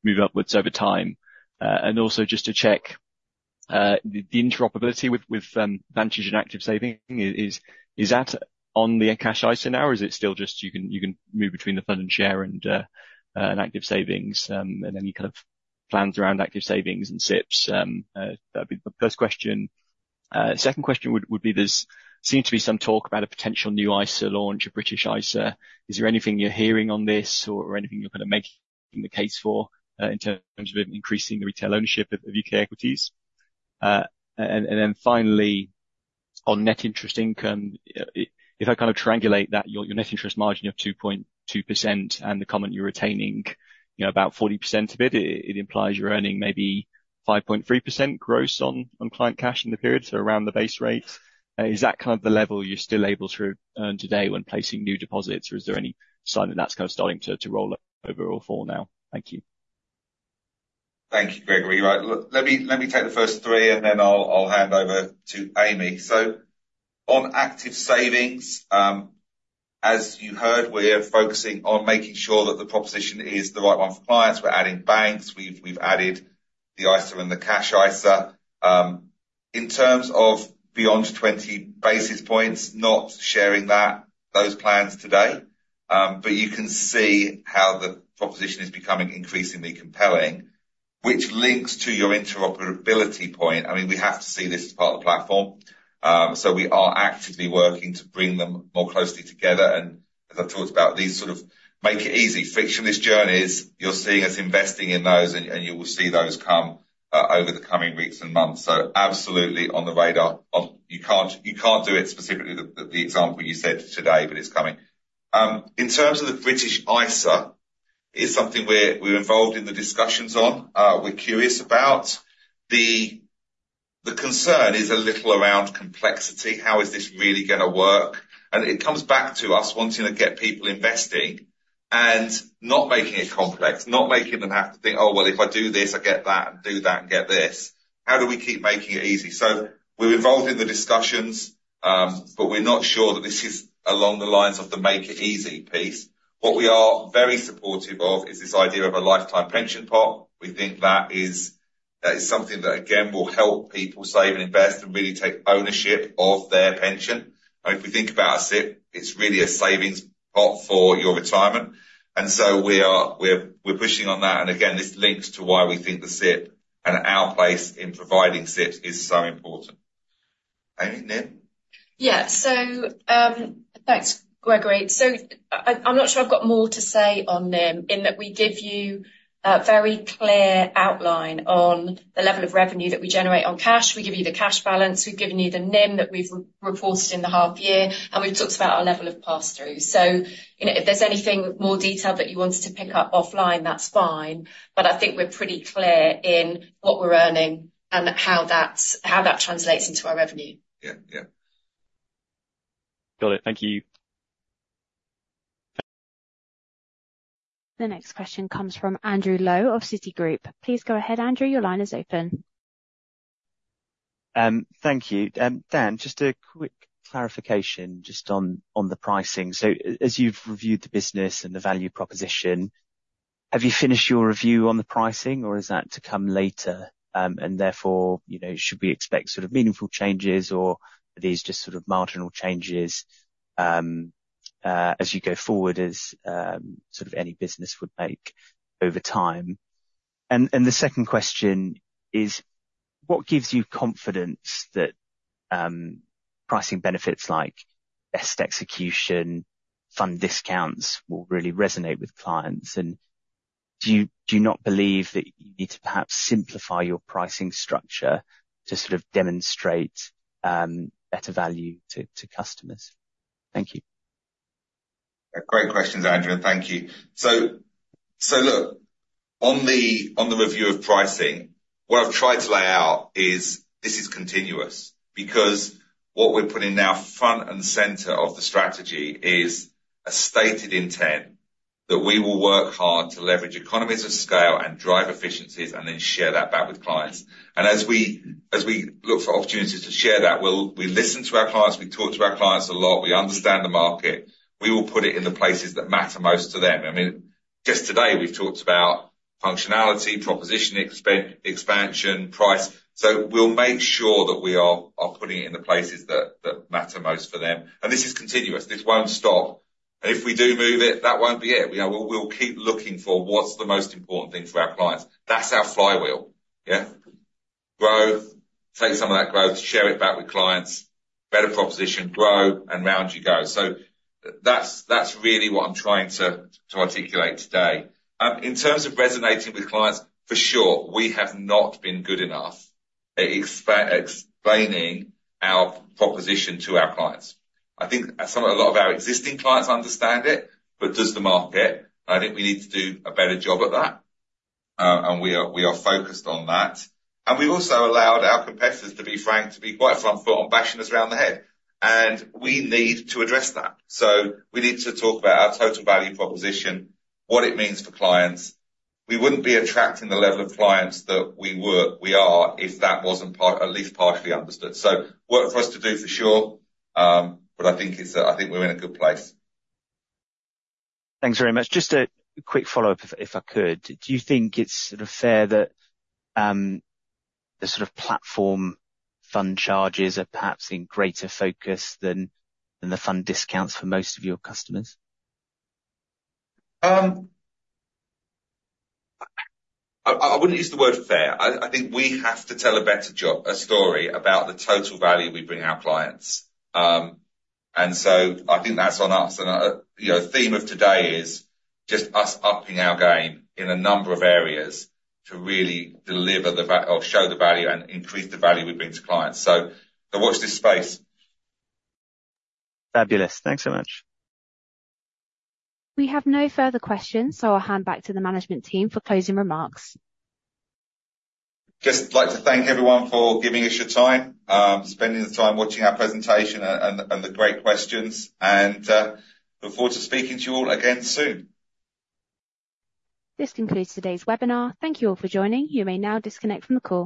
move upwards over time? And also just to check, the interoperability with Vantage and Active Savings, is that on the Cash ISA now, or is it still just you can move between the Fund and Share and Active Savings and any kind of plans around Active Savings and SIPPs? That'd be the first question. Second question would be, there seems to be some talk about a potential new ISA launch, a British ISA. Is there anything you're hearing on this or anything you're kind of making the case for in terms of increasing the retail ownership of UK equities? And then finally, on net interest income, if I kind of triangulate that, your net interest margin of 2.2% and the comment you're retaining about 40% of it, it implies you're earning maybe 5.3% gross on client cash in the period, so around the base rate. Is that kind of the level you're still able to earn today when placing new deposits, or is there any sign that that's kind of starting to roll over or fall now? Thank you. Thank you, Gregory. Right. Let me take the first three, and then I'll hand over to Amy. On Active Savings, as you heard, we're focusing on making sure that the proposition is the right one for clients. We're adding banks. We've added the ISA and the Cash ISA. In terms of beyond 20 basis points, not sharing those plans today. But you can see how the proposition is becoming increasingly compelling, which links to your interoperability point. I mean, we have to see this as part of the platform. We are actively working to bring them more closely together. And as I've talked about, these sort of make it easy. Frictionless journeys, you're seeing us investing in those, and you will see those come over the coming weeks and months. Absolutely on the radar. You can't do it specifically, the example you said today, but it's coming. In terms of the British ISA, it is something we're involved in the discussions on. We're curious about. The concern is a little around complexity. How is this really going to work? And it comes back to us wanting to get people investing and not making it complex, not making them have to think, "Oh, well, if I do this, I get that and do that and get this." How do we keep making it easy? So we're involved in the discussions, but we're not sure that this is along the lines of the make it easy piece. What we are very supportive of is this idea of a lifetime pension pot. We think that is something that, again, will help people save and invest and really take ownership of their pension. And if we think about a SIPP, it's really a savings pot for your retirement. And so we're pushing on that. And again, this links to why we think the SIPP and our place in providing SIPPs is so important. Amy, NIM? Yeah. So thanks, Gregory. So I'm not sure I've got more to say on NIM in that we give you a very clear outline on the level of revenue that we generate on cash. We give you the cash balance. We've given you the NIM that we've reported in the half-year. And we've talked about our level of pass-through. So if there's anything more detailed that you wanted to pick up offline, that's fine. But I think we're pretty clear in what we're earning and how that translates into our revenue. Yeah. Yeah. Got it. Thank you. The next question comes from Andrew Lowe of Citigroup. Please go ahead, Andrew. Your line is open. Thank you. Dan, just a quick clarification just on the pricing. So as you've reviewed the business and the value proposition, have you finished your review on the pricing, or is that to come later? And therefore, should we expect sort of meaningful changes, or are these just sort of marginal changes as you go forward, as sort of any business would make over time? And the second question is, what gives you confidence that pricing benefits like best execution, fund discounts will really resonate with clients? And do you not believe that you need to perhaps simplify your pricing structure to sort of demonstrate better value to customers? Thank you. Great questions, Andrew. Thank you. So look, on the review of pricing, what I've tried to lay out is this is continuous because what we're putting now front and center of the strategy is a stated intent that we will work hard to leverage economies of scale and drive efficiencies and then share that back with clients. And as we look for opportunities to share that, we listen to our clients. We talk to our clients a lot. We understand the market. We will put it in the places that matter most to them. I mean, just today, we've talked about functionality, proposition expansion, price. So we'll make sure that we are putting it in the places that matter most for them. And this is continuous. This won't stop. And if we do move it, that won't be it. We'll keep looking for what's the most important thing for our clients. That's our flywheel. Yeah? Growth, take some of that growth, share it back with clients, better proposition, grow, and round you go. So that's really what I'm trying to articulate today. In terms of resonating with clients, for sure, we have not been good enough at explaining our proposition to our clients. I think a lot of our existing clients understand it, but does the market? I think we need to do a better job at that. We are focused on that. We've also allowed our competitors, to be frank, to be quite front-foot on bashing us around the head. We need to address that. We need to talk about our total value proposition, what it means for clients. We wouldn't be attracting the level of clients that we are if that wasn't at least partially understood. Work for us to do for sure. I think we're in a good place. Thanks very much. Just a quick follow-up, if I could. Do you think it's sort of fair that the sort of platform fund charges are perhaps in greater focus than the fund discounts for most of your customers? I wouldn't use the word fair. I think we have to tell a better story about the total value we bring our clients. And so I think that's on us. And the theme of today is just us upping our game in a number of areas to really deliver or show the value and increase the value we bring to clients. So watch this space. Fabulous. Thanks so much. We have no further questions, so I'll hand back to the management team for closing remarks. Just like to thank everyone for giving us your time, spending the time watching our presentation and the great questions. Look forward to speaking to you all again soon. This concludes today's webinar. Thank you all for joining. You may now disconnect from the call.